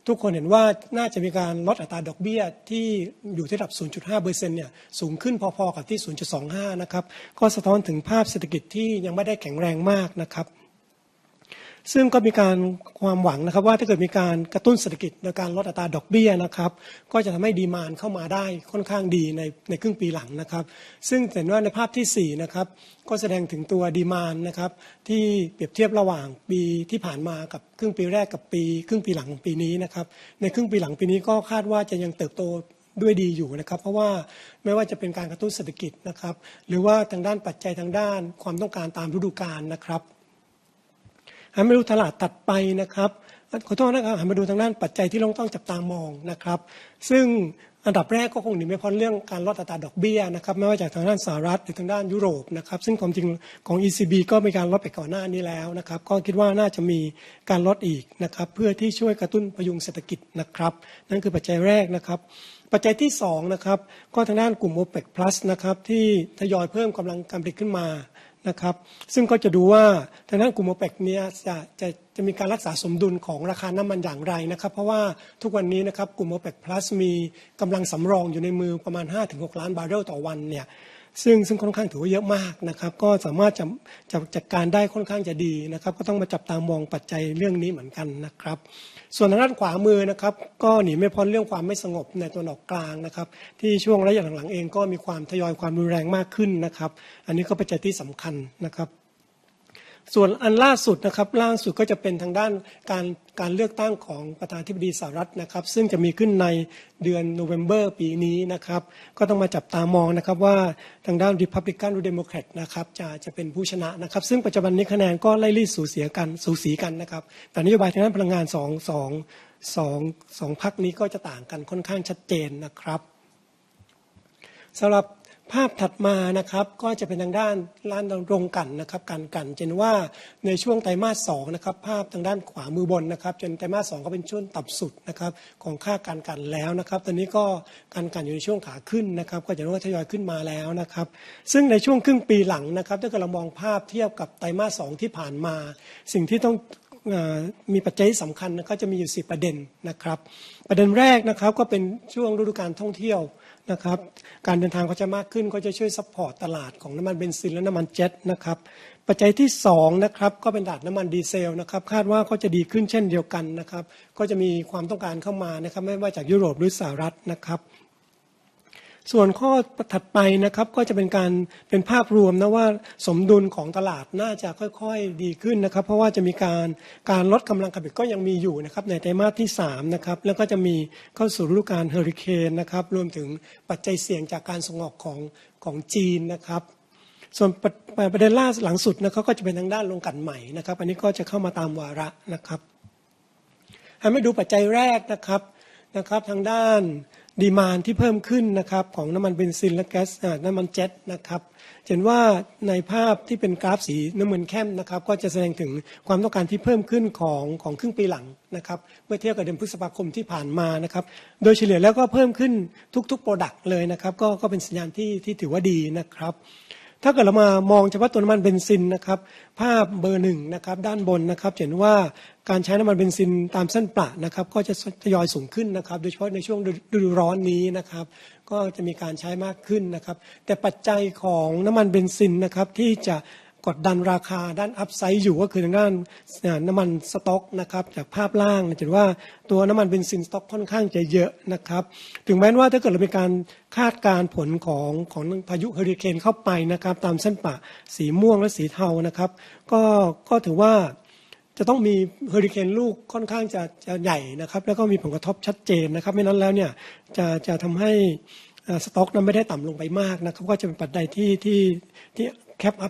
ที่เมื่อมีการสำรวจใหม่เมื่อวันที่11สิงหาคมที่ผ่านมาจะเห็นว่าแนวโน้มที่ทุกคนเห็นว่าน่าจะมีการลดอัตราดอกเบี้ยที่อยู่ที่ระดับ 0.5% เนี่ยสูงขึ้นพอๆกับที่ 0.25% นะครับก็สะท้อนถึงภาพเศรษฐกิจที่ยังไม่ได้แข็งแรงมากนะครับซึ่งก็มีการความหวังนะครับว่าถ้าเกิดมีการกระตุ้นเศรษฐกิจโดยการลดอัตราดอกเบี้ยนะครับก็จะทำให้ดีมานด์เข้ามาได้ค่อนข้างดีในครึ่งปีหลังนะครับซึ่งจะเห็นว่าในภาพที่สี่นะครับก็แสดงถึงตัวดีมานด์นะครับที่เปรียบเทียบระหว่างปีที่ผ่านมากับครึ่งปีแรกกับปีครึ่งปีหลังของปีนี้นะครับในครึ่งปีหลังปีนี้ก็คาดว่าจะยังเติบโตด้วยดีอยู่นะครับเพราะว่าไม่ว่าจะเป็นการกระตุ้นเศรษฐกิจนะครับหรือว่าทางด้านปัจจัยทางด้านความต้องการตามฤดูกาลนะครับหันมาดูตลาดถัดไปนะครับขอโทษนะครับหันมาดูทางด้านปัจจัยที่ต้องจับตามองนะครับซึ่งอันดับแรกก็คงหนีไม่พ้นเรยซึ่งค่อนข้างถือว่าเยอะมากนะครับก็สามารถจัดการได้ค่อนข้างจะดีนะครับก็ต้องมาจับตามองปัจจัยเรื่องนี้เหมือนกันนะครับส่วนทางด้านขวามือนะครับก็หนีไม่พ้นเรื่องความไม่สงบในตะวันออกกลางนะครับที่ช่วงระยะหลังๆเองก็มีความทยอยความรุนแรงมากขึ้นนะครับอันนี้ก็ปัจจัยที่สำคัญนะครับส่วนอันล่าสุดนะครับก็จะเป็นทางด้านการเลือกตั้งของประธานาธิบดีสหรัฐนะครับซึ่งจะมีขึ้นในเดือนโนเวมเบอร์ปีนี้นะครับก็ต้องมาจับตามองนะครับว่าทางด้าน Republican หรือ Democrat นะครับจะเป็นผู้ชนะนะครับซึ่งปัจจุบันนี้คะแนนก็ไล่เลี่ยสูสีเสียกันสูสีกันนะครับแต่นโยบายทางด้านพลังงานสองพรรคนี้ก็จะต่างกันค่อนข้างชัดเจนนะครับสำหรับภาพถัดมานะครับก็จะเป็นทางด้านร้านโรงกลั่นนะครับการกลั่นจะเห็นว่าในช่วงไตรมาสสองนะครับภาพทางด้านขวามือบนนะครับจะเห็นไตรมาสสองก็เป็นช่วงต่ำสุดนะครับของค่าการกลั่นแล้วนะครับตอนนี้ก็การกลั่นอยู่ในช่วงขาขึ้นนะครับก็จะเห็นว่าทยอยขึ้นมาแล้วนะครับซึ่งในช่วงครึ่งปีหลังนะครับถ้าเกิดเรามองภาพเทียบกับไตรมาสสองที่ผ่านมาสิ่งที่ต้องมีปัจจัยที่สำคัญนะครับจะมีอยู่สี่ประเด็นนะครับประเด็นแรกนะครับก็เป็นช่วงฤดูกาลท่องเที่ยวนะครับการเดินทางก็จะมากขึ้นก็จะช่วยซัพพอร์ตตลาดของน้ำมันเบนซินและน้ำมันเจ็ตนะครับปัจจัยที่สองนะครับก็เป็น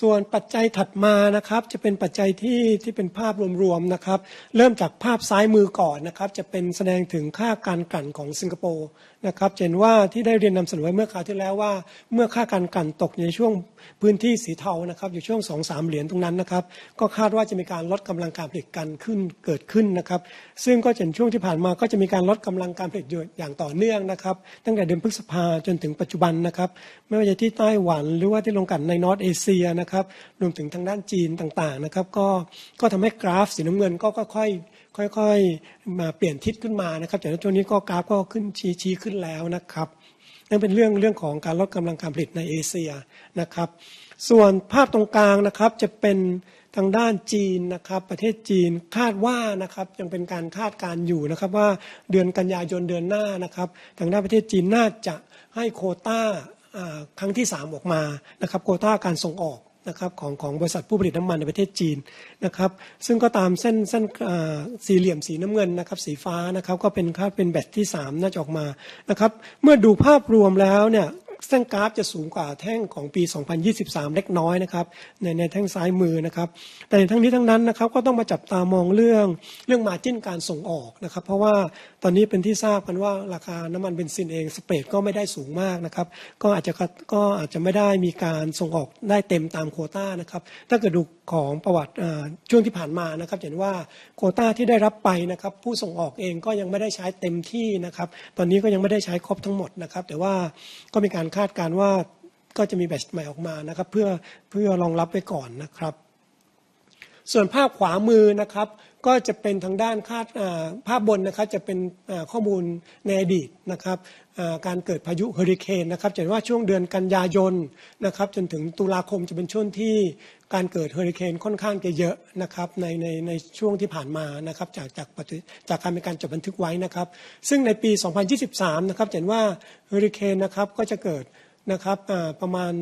ส่วนปัจจัยถัดมานะครับจะเป็นปัจจัยที่เป็นภาพรวมๆนะครับเริ่มจากภาพซ้ายมือก่อนนะครับจะเป็นแสดงถึงค่าการกลั่นของสิงคโปร์นะครับจะเห็นว่าที่ได้เรียนนำเสนอไว้เมื่อคราวที่แล้วว่าเมื่อค่าการกลั่นตกอยู่ในช่วงพื้นที่สีเทานะครับอยู่ช่วง $2-3 ตรงนั้นนะครับก็คาดว่าจะมีการลดกำลังการผลิตกันขึ้นเกิดขึ้นนะครับซึ่งก็เห็นช่วงที่ผ่านมาก็จะมีการลดกำลังการผลิตอยู่อย่างต่อเนื่องนะครับตั้งแต่เดือนพฤษภาคมจนถึงปัจจุบันนะครับไม่ว่าจะที่ไต้หวันหรือว่าที่โรงกลั่นในนอร์ทเอเชียนะครับรวมถึงทางด้านจีนต่างๆนะครับก็ทำให้กราฟสีน้ำเงินก็ค่อยๆมาเปลี่ยนทิศขึ้นมานะครับแต่ในช่วงนี้ก็กราฟก็ขึ้นชี้ขึ้นแล้วนะครับนั่นเป็นเรื่องของการลดกำลังการผลิตในเอเชียนะครับส่วนภาพตรงกลางนะครับจะเป็นทางด้านจีนนะครับประเทศจีนคาดว่านะครับยังเป็นการคาดการณ์อยู่นะครับว่าเดือนกันยายนเดือนหน้านะครับทางด้านประเทศจีนน่าจะให้โควต้าครั้งที่สามออกมานะครับโควต้าการส่งออกนะครับของบริษัทผู้ผลิตน้ำมันในประเทศจีนนะครับซึ่งก็ตามเส้นสี่เหลี่ยมสีน้ำเงินสีฟ้านะครับก็เป็นค่าเป็น batch ที่สามน่าจะออกมานะครับเมื่อดูภาพรวมแล้วเนี่ยเส้นกราฟจะสูงกว่าแท่งของปี2023เล็กน้อยนะครับในแท่งซ้ายมือนะครับแต่ทั้งนี้ทั้งนั้นนะครับก็ต้องมาจับตามองเรื่องมาร์จิ้นการส่งออกนะครับเพราะว่าตอนนี้เป็นที่ทราบกันว่าราคาน้ำมันเบนซินเองสเปรดก็ไม่ได้สูงมากนะครับก็อาจจะไม่ได้มีการส่งออกได้เต็มตามโควต้านะครับถ้าเกิดดูของประวัติช่วงที่ผ่านมานะครับจะเห็นว่าโควต้าที่ได้รับไปนะครับผู้ส่งออกเองก็ยังไม่ได้ใช้เต็มที่นะครับตอนนี้ก็ยังไม่ได้ใช้ครบทั้งหมดนะครับแต่ว่าก็มีการคาดการณ์ว่าก็จะมี batch ใหม่ออกมานะครับเพื่อรองรับไว้ก่อนนะครับส่วนภาพขวามือนะครับก็จะเป็นทางด้านค่าภาพบนนะครับจะเป็นข้อมูลในอดีตนะครับการเกิดพายุเฮอริเคนนะครับจะเห็นว่าช่วงเดือนกันยายนนะครับจนถึงตุลาคมจะเป็นช่วงที่การเกิดเฮอริเคนค่อนข้างจะเยอะนะครับในช่วงที่ผ่านมานะครับจากการมีการจดบันทึกไว้นะครับซึ่งในปี2023นะครับจะเห็นว่าเฮอริเคนนะครับก็จะเกิดนะครับประมาณ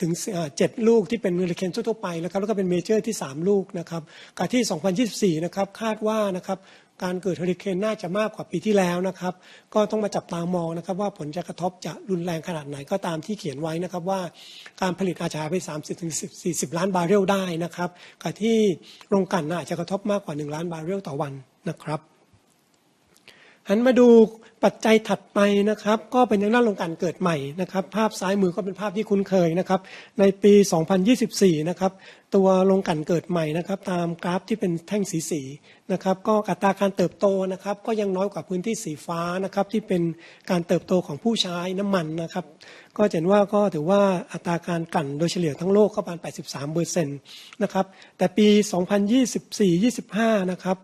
7ลูกที่เป็นเฮอริเคนทั่วๆไปนะครับแล้วก็เป็น major ที่3ลูกนะครับกับที่2024นะครับคาดว่านะครับการเกิดเฮอริเคนน่าจะมากกว่าปีที่แล้วนะครับก็ต้องมาจับตามองนะครับว่าผลจะกระทบจะรุนแรงขนาดไหนก็ตามที่เขียนไว้นะครับว่าการผลิตอาจจะหายไป 30-40 ล้านบาร์เรลได้นะครับกับที่โรงกลั่นน่าจะกระทบมากกว่า1ล้านบาร์เรลต่อวันนะครับหันมาดูปัจจัยถัดไปนะครับก็เป็นทางด้านโรงกลั่นเกิดใหม่นะครับภาพซ้ายมือก็เป็นภาพที่คุ้นเคยนะครับในปี2024นะครับตัวโรงกลั่นเกิดใหม่นะครับตามกราฟที่เป็นแท่งสีๆนะครับก็อัตราการเติบโตนะครับก็ยังน้อยกว่าพื้นที่สีฟ้านะครับที่เป็นการเติบโตของผู้ใช้น้ำมันนะครับก็จะเห็นว่า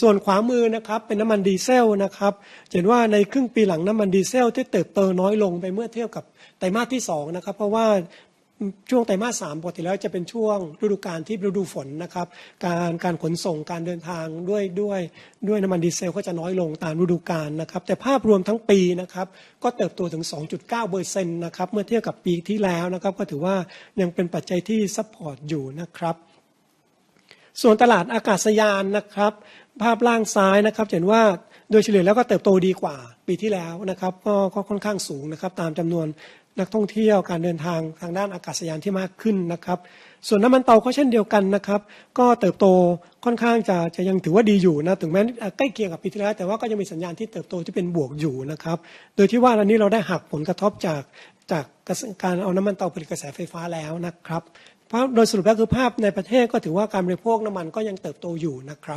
ส่วนขวามือนะครับเป็นน้ำมันดีเซลนะครับจะเห็นว่าในครึ่งปีหลังน้ำมันดีเซลที่เติบโตน้อยลงไปเมื่อเทียบกับไตรมาสที่สองนะครับเพราะว่าช่วงไตรมาสสามปกติแล้วจะเป็นช่วงฤดูกาลที่ฤดูฝนนะครับการขนส่งการเดินทางด้วยน้ำมันดีเซลก็จะน้อยลงตามฤดูกาลนะครับแต่ภาพรวมทั้งปีนะครับก็เติบโตถึงสองจุดเก้าเปอร์เซ็นต์นะครับเมื่อเทียบกับปีที่แล้วนะครับก็ถือว่ายังเป็นปัจจัยที่ซัพพอร์ตอยู่นะครับส่วนตลาดอากาศยานนะครับภาพล่างซ้ายนะครับจะเห็นว่าโดยเฉลี่ยแล้วก็เติบโตดีกว่าปีที่แล้วนะครับค่อนข้างสูงนะครับตามจำนวนนักท่องเที่ยวการเดินทางทางด้านอากาศยานที่มากขึ้นนะครับส่วนน้ำมันเตาก็เช่นเดียวกันนะครับก็เติบโตค่อนข้างจะยังถือว่าดีอยู่นะถึงแม้ใกล้เคียงกับปีที่แล้วแต่ว่าก็ยังมีสัญญาณที่เติบโตที่เป็นบวกอยู่นะครับโดยที่ว่าตอนนี้เราได้หักผลกระทบจากการเอาน้ำมันเต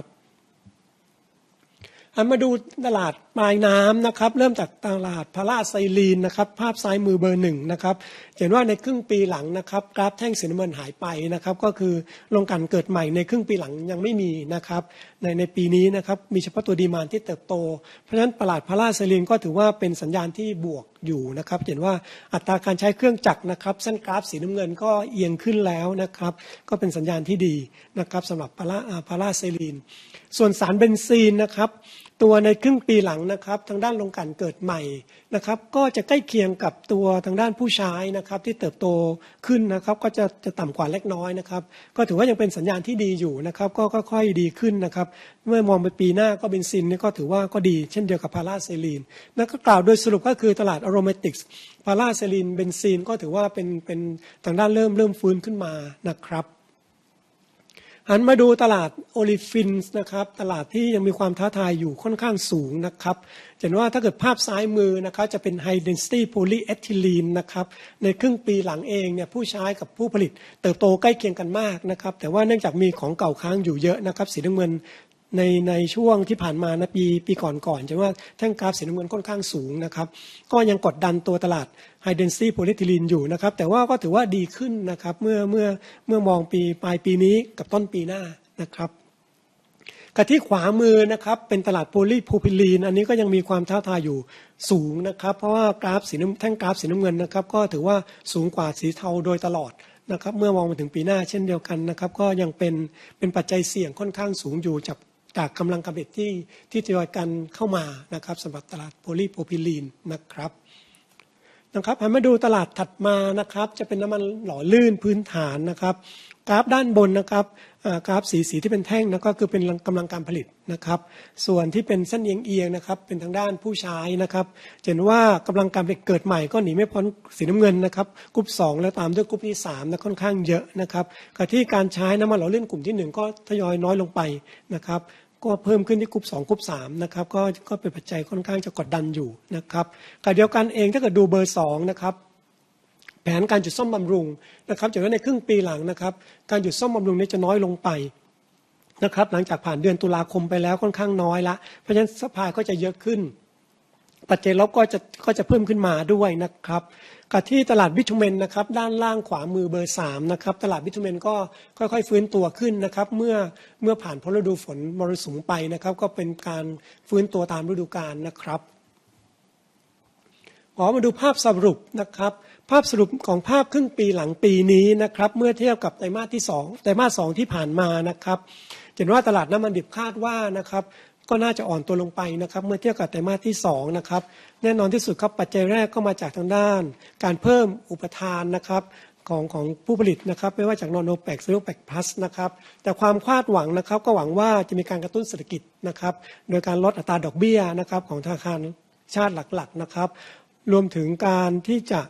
าผลิตกระแสไฟฟ้าแล้วนะครับเพราะโดยสรุปแล้วคือภาพในประเทศก็ถือว่าการบริโภคน้ำมันก็ยังเติบโตอยู่นะครับหันมาดูตลาดปลายน้ำนะครับเริ่มจากตลาดพาราไซลีนนะครับภาพซ้ายมือเบอร์หนึ่งนะครับจะเห็นว่าในครึ่งปีหลังนะครับกราฟแท่งสีน้ำเงินหายไปนะครับก็คือโรงกลั่นเกิดใหม่ในครึ่งปีหลังยังไม่มีนะครับในปีนี้นะครับมีเฉพาะตัวดีมานด์ที่เติบโตเพราะฉะนั้นตลาดพาราไซลีนก็ถือว่าเป็นสัญญาณที่บวกอยู่นะครับจะเห็นว่าอัตราการใช้เครื่องจักรนะครับเส้นกราฟสีน้ำเงินก็เอียงขึ้นแล้วนะครับก็เป็นสัญญาณที่ดีนะครับสำหรับพาราไซลีนส่วนสารเบนซีนนะครับตัวในครึ่งปีหลังนะครับทางด้านโรงกลั่นเกิดใหม่นะครับก็จะใกล้เคียงกับตัวทางด้านผู้ใช้นะครับที่เติบโตขึ้นนะครับก็จะต่ำกว่าเล็กน้อยนะครับก็ถือว่ายังเป็นสัญญาณที่ดีอยู่นะครับก็ค่อยๆดีขึ้นนะครับเมื่อมองไปปีหน้าก็เบนซินนี่ก็ถือว่าก็ดีเช่นเดียวกับพาราไซลีนนะก็กล่าวโดยสรุปก็คือตลาด Aromatic พาราไซลีนเบนซินก็ถือว่าเป็นทางด้านเริ่มฟื้นขึ้นมานะครับหันมาดูตลาดโอลิฟินนะครับตลาดที่ยังมีความท้าทายอยู่ค่อนข้างสูงนะครับจะเห็นว่าถ้าเกิดภาพซ้ายมือนะครับจะเป็น High Density Polyethylene นะครับในครึ่งปีหลังเองเนี่ยผู้ใช้กับผู้ผลิตเติบโตใกล้เคียงกันมากนะครับแต่ว่าเนื่องจากมีของเก่าค้างอยู่เยอะนะครับสีน้ำเงินในช่วงที่ผ่านมานะปีก่อนๆจะเห็นว่าแท่งกราฟสีน้ำเงินค่อนข้างสูงนะครับก็ยังกดดันตัวตลาด High Density Polyethylene อยู่นะครับแต่ว่าก็ถือว่าดีขึ้นนะครับเมื่อมองปีปลายปีนี้กับต้นปีหน้านะครับกับที่ขวามือนะครับเป็นตลาด Polypropylene อันนี้ก็ยังมีความท้าทายอยู่สูงนะครับเพราะว่ากราฟสีแท่งกราฟสีน้ำเงินนะครับก็ถือว่าสูงกว่าสีเทาโดยตลอดนะครับเมื่อมองไปถึงปีหน้าเช่นเดียวกันนะครับก็ยังเป็นปัจจัยเสี่ยงค่อนข้างสูงอยู่จากกำลังการผลิตที่ทยอยกันเข้ามานะครับสำหรับตลาด Polypropylene นะครับหันมาดูตลาดถัดมานะครับจะเป็นน้ำมันหล่อลื่นพื้นฐานนะครับกราฟด้านบนนะครับกราฟสีๆที่เป็นแท่งนะครับก็คือเป็นกำลังการผลิตนะครับส่วนที่เป็นเส้นเอียงๆนะครับเป็นทางด้านผู้ใช้นะครับจะเห็นว่ากำลังการผลิตเกิดใหม่ก็หนีไม่พ้นสีน้ำเงินนะครับกรุ๊ปสองและตามด้วยกรุ๊ปที่สามนะค่อนข้างเยอะนะครับกับที่การใช้น้ำมันหล่อลื่นกลุ่มที่หนึ่งก็ทยอยน้อยลงไปนะครับก็เพิ่มขึ้นที่กรุ๊ปสองกรุ๊ปสามนะครับก็เป็นปัจจัยค่อนข้างจะกดดันอยู่นะครับกับเดียวกันเองถ้าเกิดดูเบอร์สองนะครับแผนการหยุดซ่อมบำรุงนะครับจะเห็นว่าในครึ่งปีหลังนะครับการหยุดซ่อมบำรุงนี้จะน้อยลงไปนะครับหลังจากผ่านเดือนตุลาคมไปแล้วค่อนข้างน้อยละเพราะฉะนั้นซัพพลายก็จะเยอะขึ้นปัจจัยลบก็จะเพิ่มขึ้นมาด้วยนะครับกับที่ตลาดบิทูเมนนะครับด้านล่างขวามือเบอร์สามนะครับตลาดบิทูเมนก็ค่อยๆฟื้นตัวขึ้นนะครับเมื่อผ่านพ้นฤดูฝนมรสุมไปนะครับก็เป็นการฟื้นตัวตามฤดูกาลนะครับขอมาดูภาพสรุปนะครับภาพสรุปของภาพครึ่งปีหลังปีนี้นะครับเมื่อเทียบกับไตรมาสที่สองไตรมาสสองที่ผ่านมานะครับเห็นว่าตลาดน้ำมันดิบคาดว่านะครับก็น่าจะอ่อนตัวลงไปนะครับเมื่อเทียบกับไตรมาสที่สองนะครับแน่นอนที่สุดครับปัจจัยแรกก็มาจากทางด้านการเพิ่มอุปทานนะครับของผู้ผลิตนะครับไม่ว่าจาก non-OPEC หรือ OPEC Plus นะครับแต่ความคาดหวังนะครับก็หวังว่าจะมีการกระตุ้นเศรษฐกิจนะครับโดยการลดอัตราดอกเบี้ยนะครับของธนาคารชาติหลักๆนะครับรวมถึงการที่จะ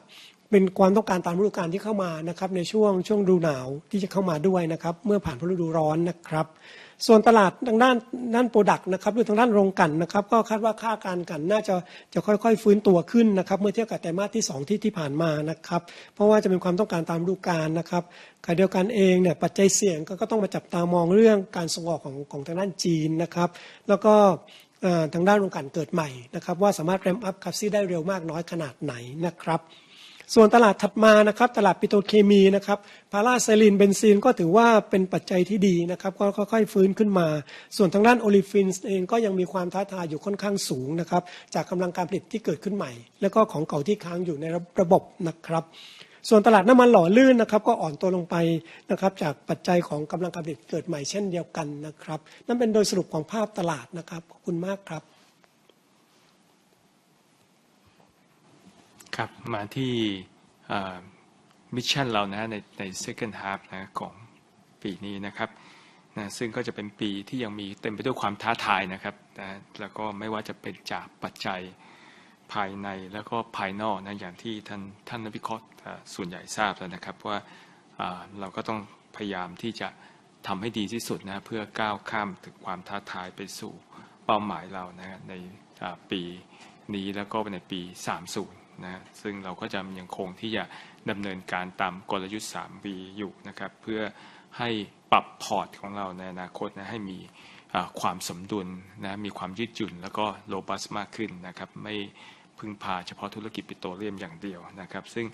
เป็นความต้องการตามฤดูกาลที่เข้ามานะครับในช่วงฤดูหนาวที่จะเข้ามาด้วยนะครับเมื่อผ่านพ้นฤดูร้อนนะครับส่วนตลาดทางด้านโปรดักส์นะครับหรือทางด้านโรงกลั่นนะครับก็คาดว่าค่าการกลั่นน่าจะค่อยๆฟื้นตัวขึ้นนะครับเมื่อเทียบกับไตรมาสที่สองที่ผ่านมานะครับเพราะว่าจะมีความต้องการตามฤดูกาลนะครับขณะเดียวกันเองเนี่ยปัจจัยเสี่ยงก็ต้องมาจับตามองเรื่องการส่งออกของทางด้านจีนนะครับแล้วก็ทางด้านโรงกลั่นเกิดใหม่นะครับว่าสามารถ ramp up capacity ได้เร็วมากน้อยขนาดไหนนะครับส่วนตลาดถัดมานะครับตลาดปิโตรเคมีนะครับพาราไซลีนเบนซินก็ถือว่าเป็นปัจจัยที่ดีนะครับก็ค่อยๆฟื้นขึ้นมาส่วนทางด้าน olefin เองก็ยังมีความท้าทายอยู่ค่อนข้างสูงนะครับจากกำลังการผลิตที่เกิดขึ้นใหม่และก็ของเก่าที่ค้างอยู่ในระบบนะครับส่วนตลาดน้ำมันหล่อลื่นนะครับก็อ่อนตัวลงไปนะครับจากปัจจัยของกำลังการผลิตเกิดใหม่เช่นเดียวกันนะครับนั่นเป็นโดยสรุปของภาพตลาดนะครับขอบคุณมากครับครับมาที่เออมิชชั่นเรานะฮะในใน second half นะฮะของปีนี้นะครับนะซึ่งก็จะเป็นปีที่ยังมีเต็มไปด้วยความท้าทายนะครับนะแล้วก็ไม่ว่าจะเป็นจากปัจจัยภายในแล้วก็ภายนอกนะอย่างที่ท่านท่านนักวิเคราะห์ส่วนใหญ่ทราบแล้วนะครับว่าเออเราก็ต้องพยายามที่จะทำให้ดีที่สุดนะเพื่อก้าวข้ามความท้าทายไปสู่เป้าหมายเรานะฮะในเออปีนี้แล้วก็ในปีสามศูนย์นะฮะซึ่งเราก็จะยังคงที่จะดำเนินการตามกลยุทธ์สามวีอยู่นะครับเพื่อให้ปรับพอร์ตของเราในอนาคตนะให้มีเออความสมดุลนะมีความยืดหยุ่นแล้วก็ robust มากขึ้นนะครับไม่พึ่งพาเฉพาะธุรกิจปิโตรเลียมอย่างเดียวนะครับซึ่ง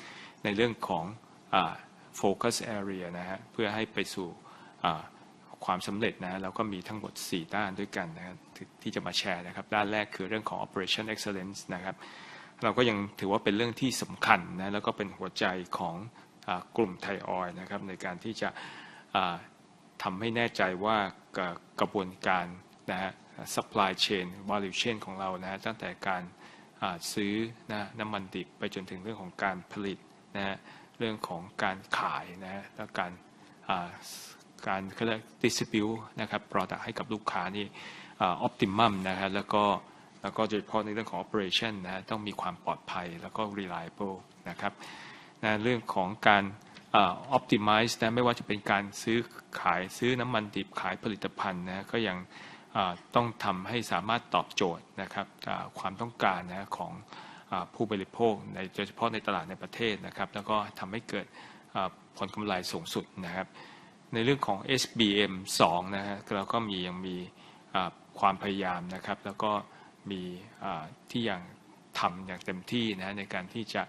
ในเรื่องของเออ Focus Area นะฮะเพื่อให้ไปสู่เออความสำเร็จนะฮะเราก็มีทั้งหมดสี่ด้านด้วยกันนะฮะที่จะมาแชร์นะครับด้านแรกคือเรื่องของ Operation Excellence นะครับเราก็ยังถือว่าเป็นเรื่องที่สำคัญนะแล้วก็เป็นหัวใจของเออกลุ่มไทยออยล์นะครับในการที่จะเออทำให้แน่ใจว่ากระบวนการนะฮะ Supply Chain Value Chain ของเรานะฮะตั้งแต่การซื้อนะฮะน้ำมันดิบไปจนถึงเรื่องของการผลิตนะฮะเรื่องของการขายนะฮะและการเออการเขาเรียก Distribute นะครับ Product ให้กับลูกค้านี่เออ Optimum นะฮะแล้วก็แล้วก็โดยเฉพาะในเรื่องของ Operation นะฮะต้องมีความปลอดภัยแล้วก็ Reliable นะครับนะเรื่องของการเออ Optimize นะไม่ว่าจะเป็นการซื้อขายซื้อน้ำมันดิบขายผลิตภัณฑ์นะฮะก็ยังเออต้องทำให้สามารถตอบโจทย์นะครับเออความต้องการนะฮะของเออผู้บริโภคในโดยเฉพาะในตลาดในประเทศนะครับแล้วก็ทำให้เกิดเออผลกำไรสูงสุดนะครับในเรื่องของ SBM2 นะฮะเราก็มียังมีเออความพยายามนะครับแล้วก็มีเออที่ยังทำอย่างเต็มที่นะฮะในการที่จะ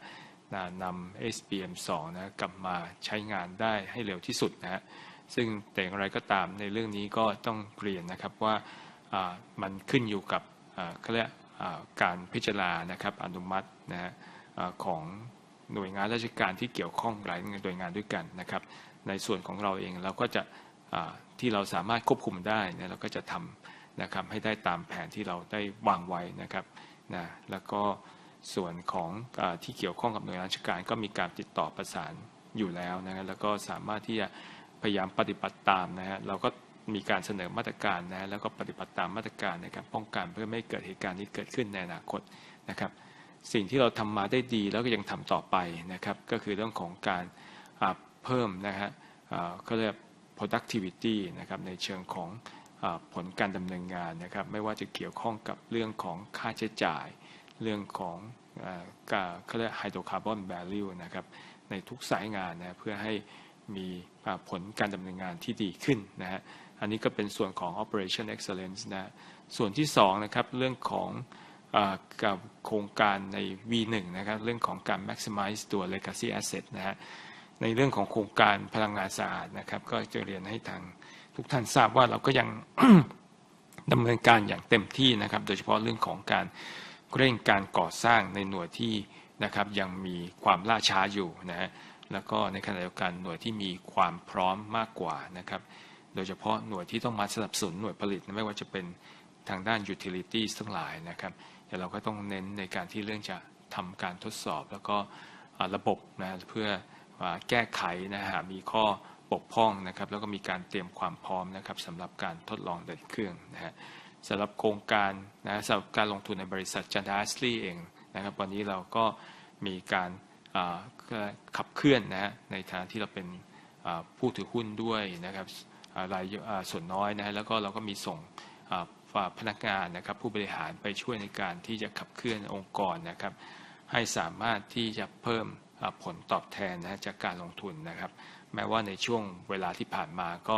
นำ SBM2 นะฮะกลับมาใช้งานได้ให้เร็วที่สุดนะฮะซึ่งแต่อย่างไรก็ตามในเรื่องนี้ก็ต้องเรียนนะครับว่าเออมันขึ้นอยู่กับเออเขาเรียกเออการพิจารณานะครับอนุมัตินะฮะเออของหน่วยงานราชการที่เกี่ยวข้องหลายหน่วยงานด้วยกันนะครับในส่วนของเราเองเราก็จะเออที่เราสามารถควบคุมได้นะเราก็จะทำนะครับให้ได้ตามแผนที่เราได้วางไว้นะครับนะแล้วก็ส่วนของเออที่เกี่ยวข้องกับหน่วยงานราชการก็มีการติดต่อประสานอยู่แล้วนะฮะแล้วก็สามารถที่จะพยายามปฏิบัติตามนะฮะเราก็มีการเสนอมาตรการนะฮะแล้วก็ปฏิบัติตามมาตรการในการป้องกันเพื่อไม่ให้เกิดเหตุการณ์นี้เกิดขึ้นในอนาคตนะครับสิ่งที่เราทำมาได้ดีแล้วก็ยังทำต่อไปนะครับก็คือเรื่องของการเออเพิ่มนะฮะเออเขาเรียก Productivity นะครับในเชิงของเออผลการดำเนินงานนะครับไม่ว่าจะเกี่ยวข้องกับเรื่องของค่าใช้จ่ายเรื่องของเออการเขาเรียก Hydrocarbon Value นะครับในทุกสายงานนะเพื่อให้มีเออผลการดำเนินงานที่ดีขึ้นนะฮะอันนี้ก็เป็นส่วนของ Operation Excellence นะส่วนที่สองนะครับเรื่องของเออกับโครงการใน V1 นะครับเรื่องของการ maximize ตัว Legacy Asset นะฮะในเรื่องของโครงการพลังงานสะอาดนะครับก็จะเรียนให้ทางทุกท่านทราบว่าเราก็ยังดำเนินการอย่างเต็มที่นะครับโดยเฉพาะเรื่องของการเร่งการก่อสร้างในหน่วยที่นะครับยังมีความล่าช้าอยู่นะฮะแล้วก็ในขณะเดียวกันหน่วยที่มีความพร้อมมากกว่านะครับโดยเฉพาะหน่วยที่ต้องมาสนับสนุนหน่วยผลิตไม่ว่าจะเป็นทางด้าน Utilities ทั้งหลายนะครับแต่เราก็ต้องเน้นในการที่เรื่องจะทำการทดสอบแล้วก็ระบบนะเพื่อแก้ไขนะฮะมีข้อบกพร่องนะครับแล้วก็มีการเตรียมความพร้อมนะครับสำหรับการทดลองเดินเครื่องนะฮะสำหรับโครงการนะสำหรับการลงทุนในบริษัท Chandra Asri เองนะครับวันนี้เราก็มีการเออเขาเรียกขับเคลื่อนนะฮะในฐานะที่เราเป็นเออผู้ถือหุ้นด้วยนะครับเออรายส่วนน้อยนะฮะแล้วก็เราก็มีส่งเออพนักงานนะครับผู้บริหารไปช่วยในการที่จะขับเคลื่อนองค์กรนะครับให้สามารถที่จะเพิ่มเออผลตอบแทนนะจากการลงทุนนะครับแม้ว่าในช่วงเวลาที่ผ่านมาก็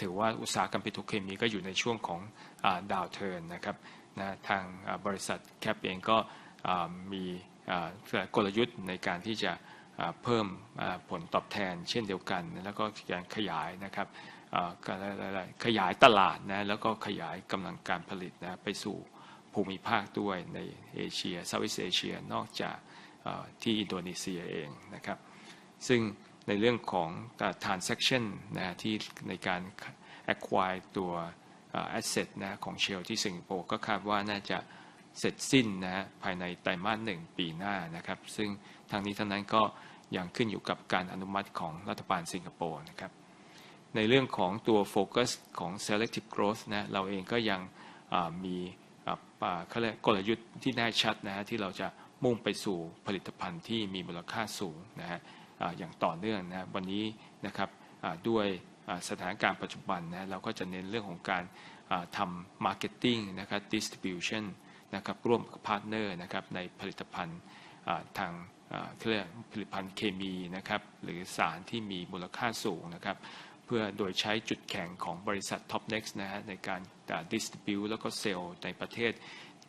ถือว่าอุตสาหกรรมปิโตรเคมีก็อยู่ในช่วงของเออ Down Turn นะครับนะทางบริษัท CAP เองก็เออมีเออกลยุทธ์ในการที่จะเออเพิ่มเออผลตอบแทนเช่นเดียวกันแล้วก็การขยายนะครับเออเขาเรียกอะไรขยายตลาดนะแล้วก็ขยายกำลังการผลิตนะไปสู่ภูมิภาคด้วยในเอเชีย Southeast Asia นอกจากเออที่อินโดนีเซียเองนะครับซึ่งในเรื่องของ transaction นะฮะที่ในการ acquire ตัว asset นะของ Shell ที่สิงคโปร์ก็คาดว่าน่าจะเสร็จสิ้นนะฮะภายในไตรมาสหนึ่งปีหน้านะครับซึ่งทั้งนี้ทั้งนั้นก็ยังขึ้นอยู่กับการอนุมัติของรัฐบาลสิงคโปร์นะครับในเรื่องของตัวโฟกัสของ Selective Growth นะเราเองก็ยังเออมีเออเขาเรียกกลยุทธ์ที่แน่ชัดนะฮะที่เราจะมุ่งไปสู่ผลิตภัณฑ์ที่มีมูลค่าสูงนะฮะเอออย่างต่อเนื่องนะฮะวันนี้นะครับเออด้วยเออสถานการณ์ปัจจุบันนะฮะเราก็จะเน้นเรื่องของการเออทำ Marketing นะครับ Distribution นะครับร่วมกับ Partner นะครับในผลิตภัณฑ์เออทางเออเขาเรียกผลิตภัณฑ์เคมีนะครับหรือสารที่มีมูลค่าสูงนะครับเพื่อโดยใช้จุดแข็งของบริษัท Topnex นะฮะในการ Distribute แล้วก็ Sell ในประเทศ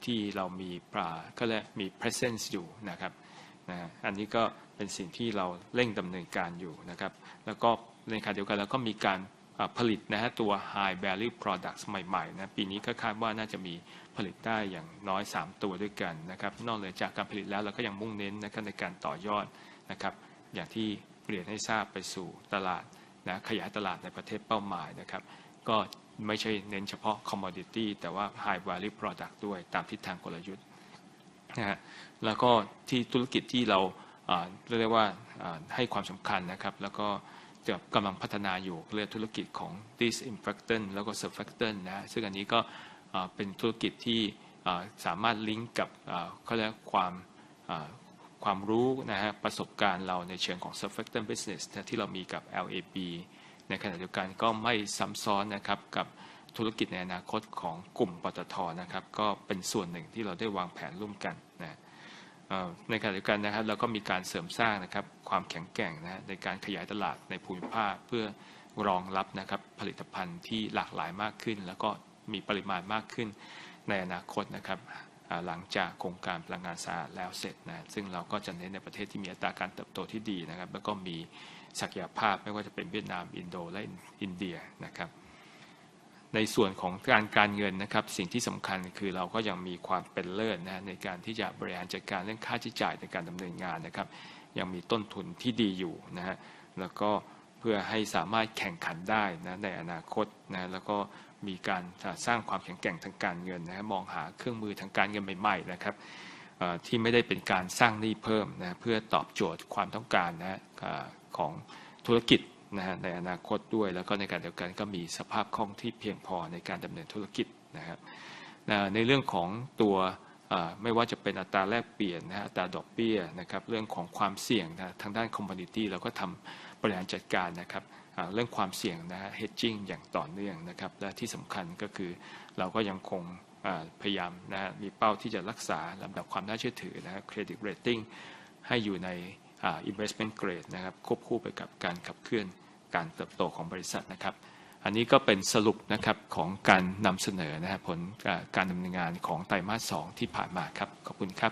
ที่เรามีเออเขาเรียกมี Presence อยู่นะครับนะฮะอันนี้ก็เป็นสิ่งที่เราเร่งดำเนินการอยู่นะครับแล้วก็ในขณะเดียวกันเราก็มีการผลิตนะฮะตัว High Value Products ใหม่ๆนะปีนี้ก็คาดว่าน่าจะมีผลิตได้อย่างน้อยสามตัวด้วยกันนะครับนอกเหนือจากการผลิตแล้วเราก็ยังมุ่งเน้นนะครับในการต่อยอดนะครับอย่างที่เรียนให้ทราบไปสู่ตลาดนะขยายตลาดในประเทศเป้าหมายนะครับก็ไม่ใช่เน้นเฉพาะ Commodity แต่ว่า High Value Product ด้วยตามทิศทางกลยุทธ์นะฮะแล้วก็ที่ธุรกิจที่เราเออเรียกได้ว่าเออให้ความสำคัญนะครับแล้วก็จะกำลังพัฒนาอยู่เขาเรียกธุรกิจของ Disinfectant แล้วก็ Surfactant นะฮะซึ่งอันนี้ก็เออเป็นธุรกิจที่เออสามารถลิงก์กับเออเขาเรียกความเออความรู้นะฮะประสบการณ์เราในเชิงของ Surfactant Business นะที่เรามีกับ LAB ในขณะเดียวกันก็ไม่ซ้ำซ้อนนะครับกับธุรกิจในอนาคตของกลุ่มปต ท. นะครับก็เป็นส่วนหนึ่งที่เราได้วางแผนร่วมกันนะเอ่อในขณะเดียวกันนะครับเราก็มีการเสริมสร้างนะครับความแข็งแกร่งนะฮะในการขยายตลาดในภูมิภาคเพื่อรองรับนะครับผลิตภัณฑ์ที่หลากหลายมากขึ้นแล้วก็มีปริมาณมากขึ้นในอนาคตนะครับเอ่อหลังจากโครงการพลังงานสะอาดแล้วเสร็จนะซึ่งเราก็จะเน้นในประเทศที่มีอัตราการเติบโตที่ดีนะครับแล้วก็มีศักยภาพไม่ว่าจะเป็นเวียดนามอินโดและอินเดียนะครับในส่วนของการการเงินนะครับสิ่งที่สำคัญคือเราก็ยังมีความเป็นเลิศนะฮะในการที่จะบริหารจัดการเรื่องค่าใช้จ่ายในการดำเนินงานนะครับยังมีต้นทุนที่ดีอยู่นะฮะแล้วก็เพื่อให้สามารถแข่งขันได้นะในอนาคตนะแล้วก็มีการสร้างความแข็งแกร่งทางการเงินนะฮะมองหาเครื่องมือทางการเงินใหม่ๆนะครับเอ่อที่ไม่ได้เป็นการสร้างหนี้เพิ่มนะเพื่อตอบโจทย์ความต้องการนะฮะเอ่อของธุรกิจนะฮะในอนาคตด้วยแล้วก็ในขณะเดียวกันก็มีสภาพคล่องที่เพียงพอในการดำเนินธุรกิจนะฮะเอ่อในเรื่องของตัวเอ่อไม่ว่าจะเป็นอัตราแลกเปลี่ยนนะฮะอัตราดอกเบี้ยนะครับเรื่องของความเสี่ยงนะทางด้าน commodity เราก็ทำบริหารจัดการนะครับเอ่อเรื่องความเสี่ยงนะฮะ hedging อย่างต่อเนื่องนะครับและที่สำคัญก็คือเราก็ยังคงเอ่อพยายามนะฮะมีเป้าที่จะรักษาลำดับความน่าเชื่อถือนะฮะ credit rating ให้อยู่ในเอ่อ investment grade นะครับควบคู่ไปกับการขับเคลื่อนการเติบโตของบริษัทนะครับอันนี้ก็เป็นสรุปนะครับของการนำเสนอนะฮะผลการดำเนินงานของไตรมาสสองที่ผ่านมาครับขอบคุณครับ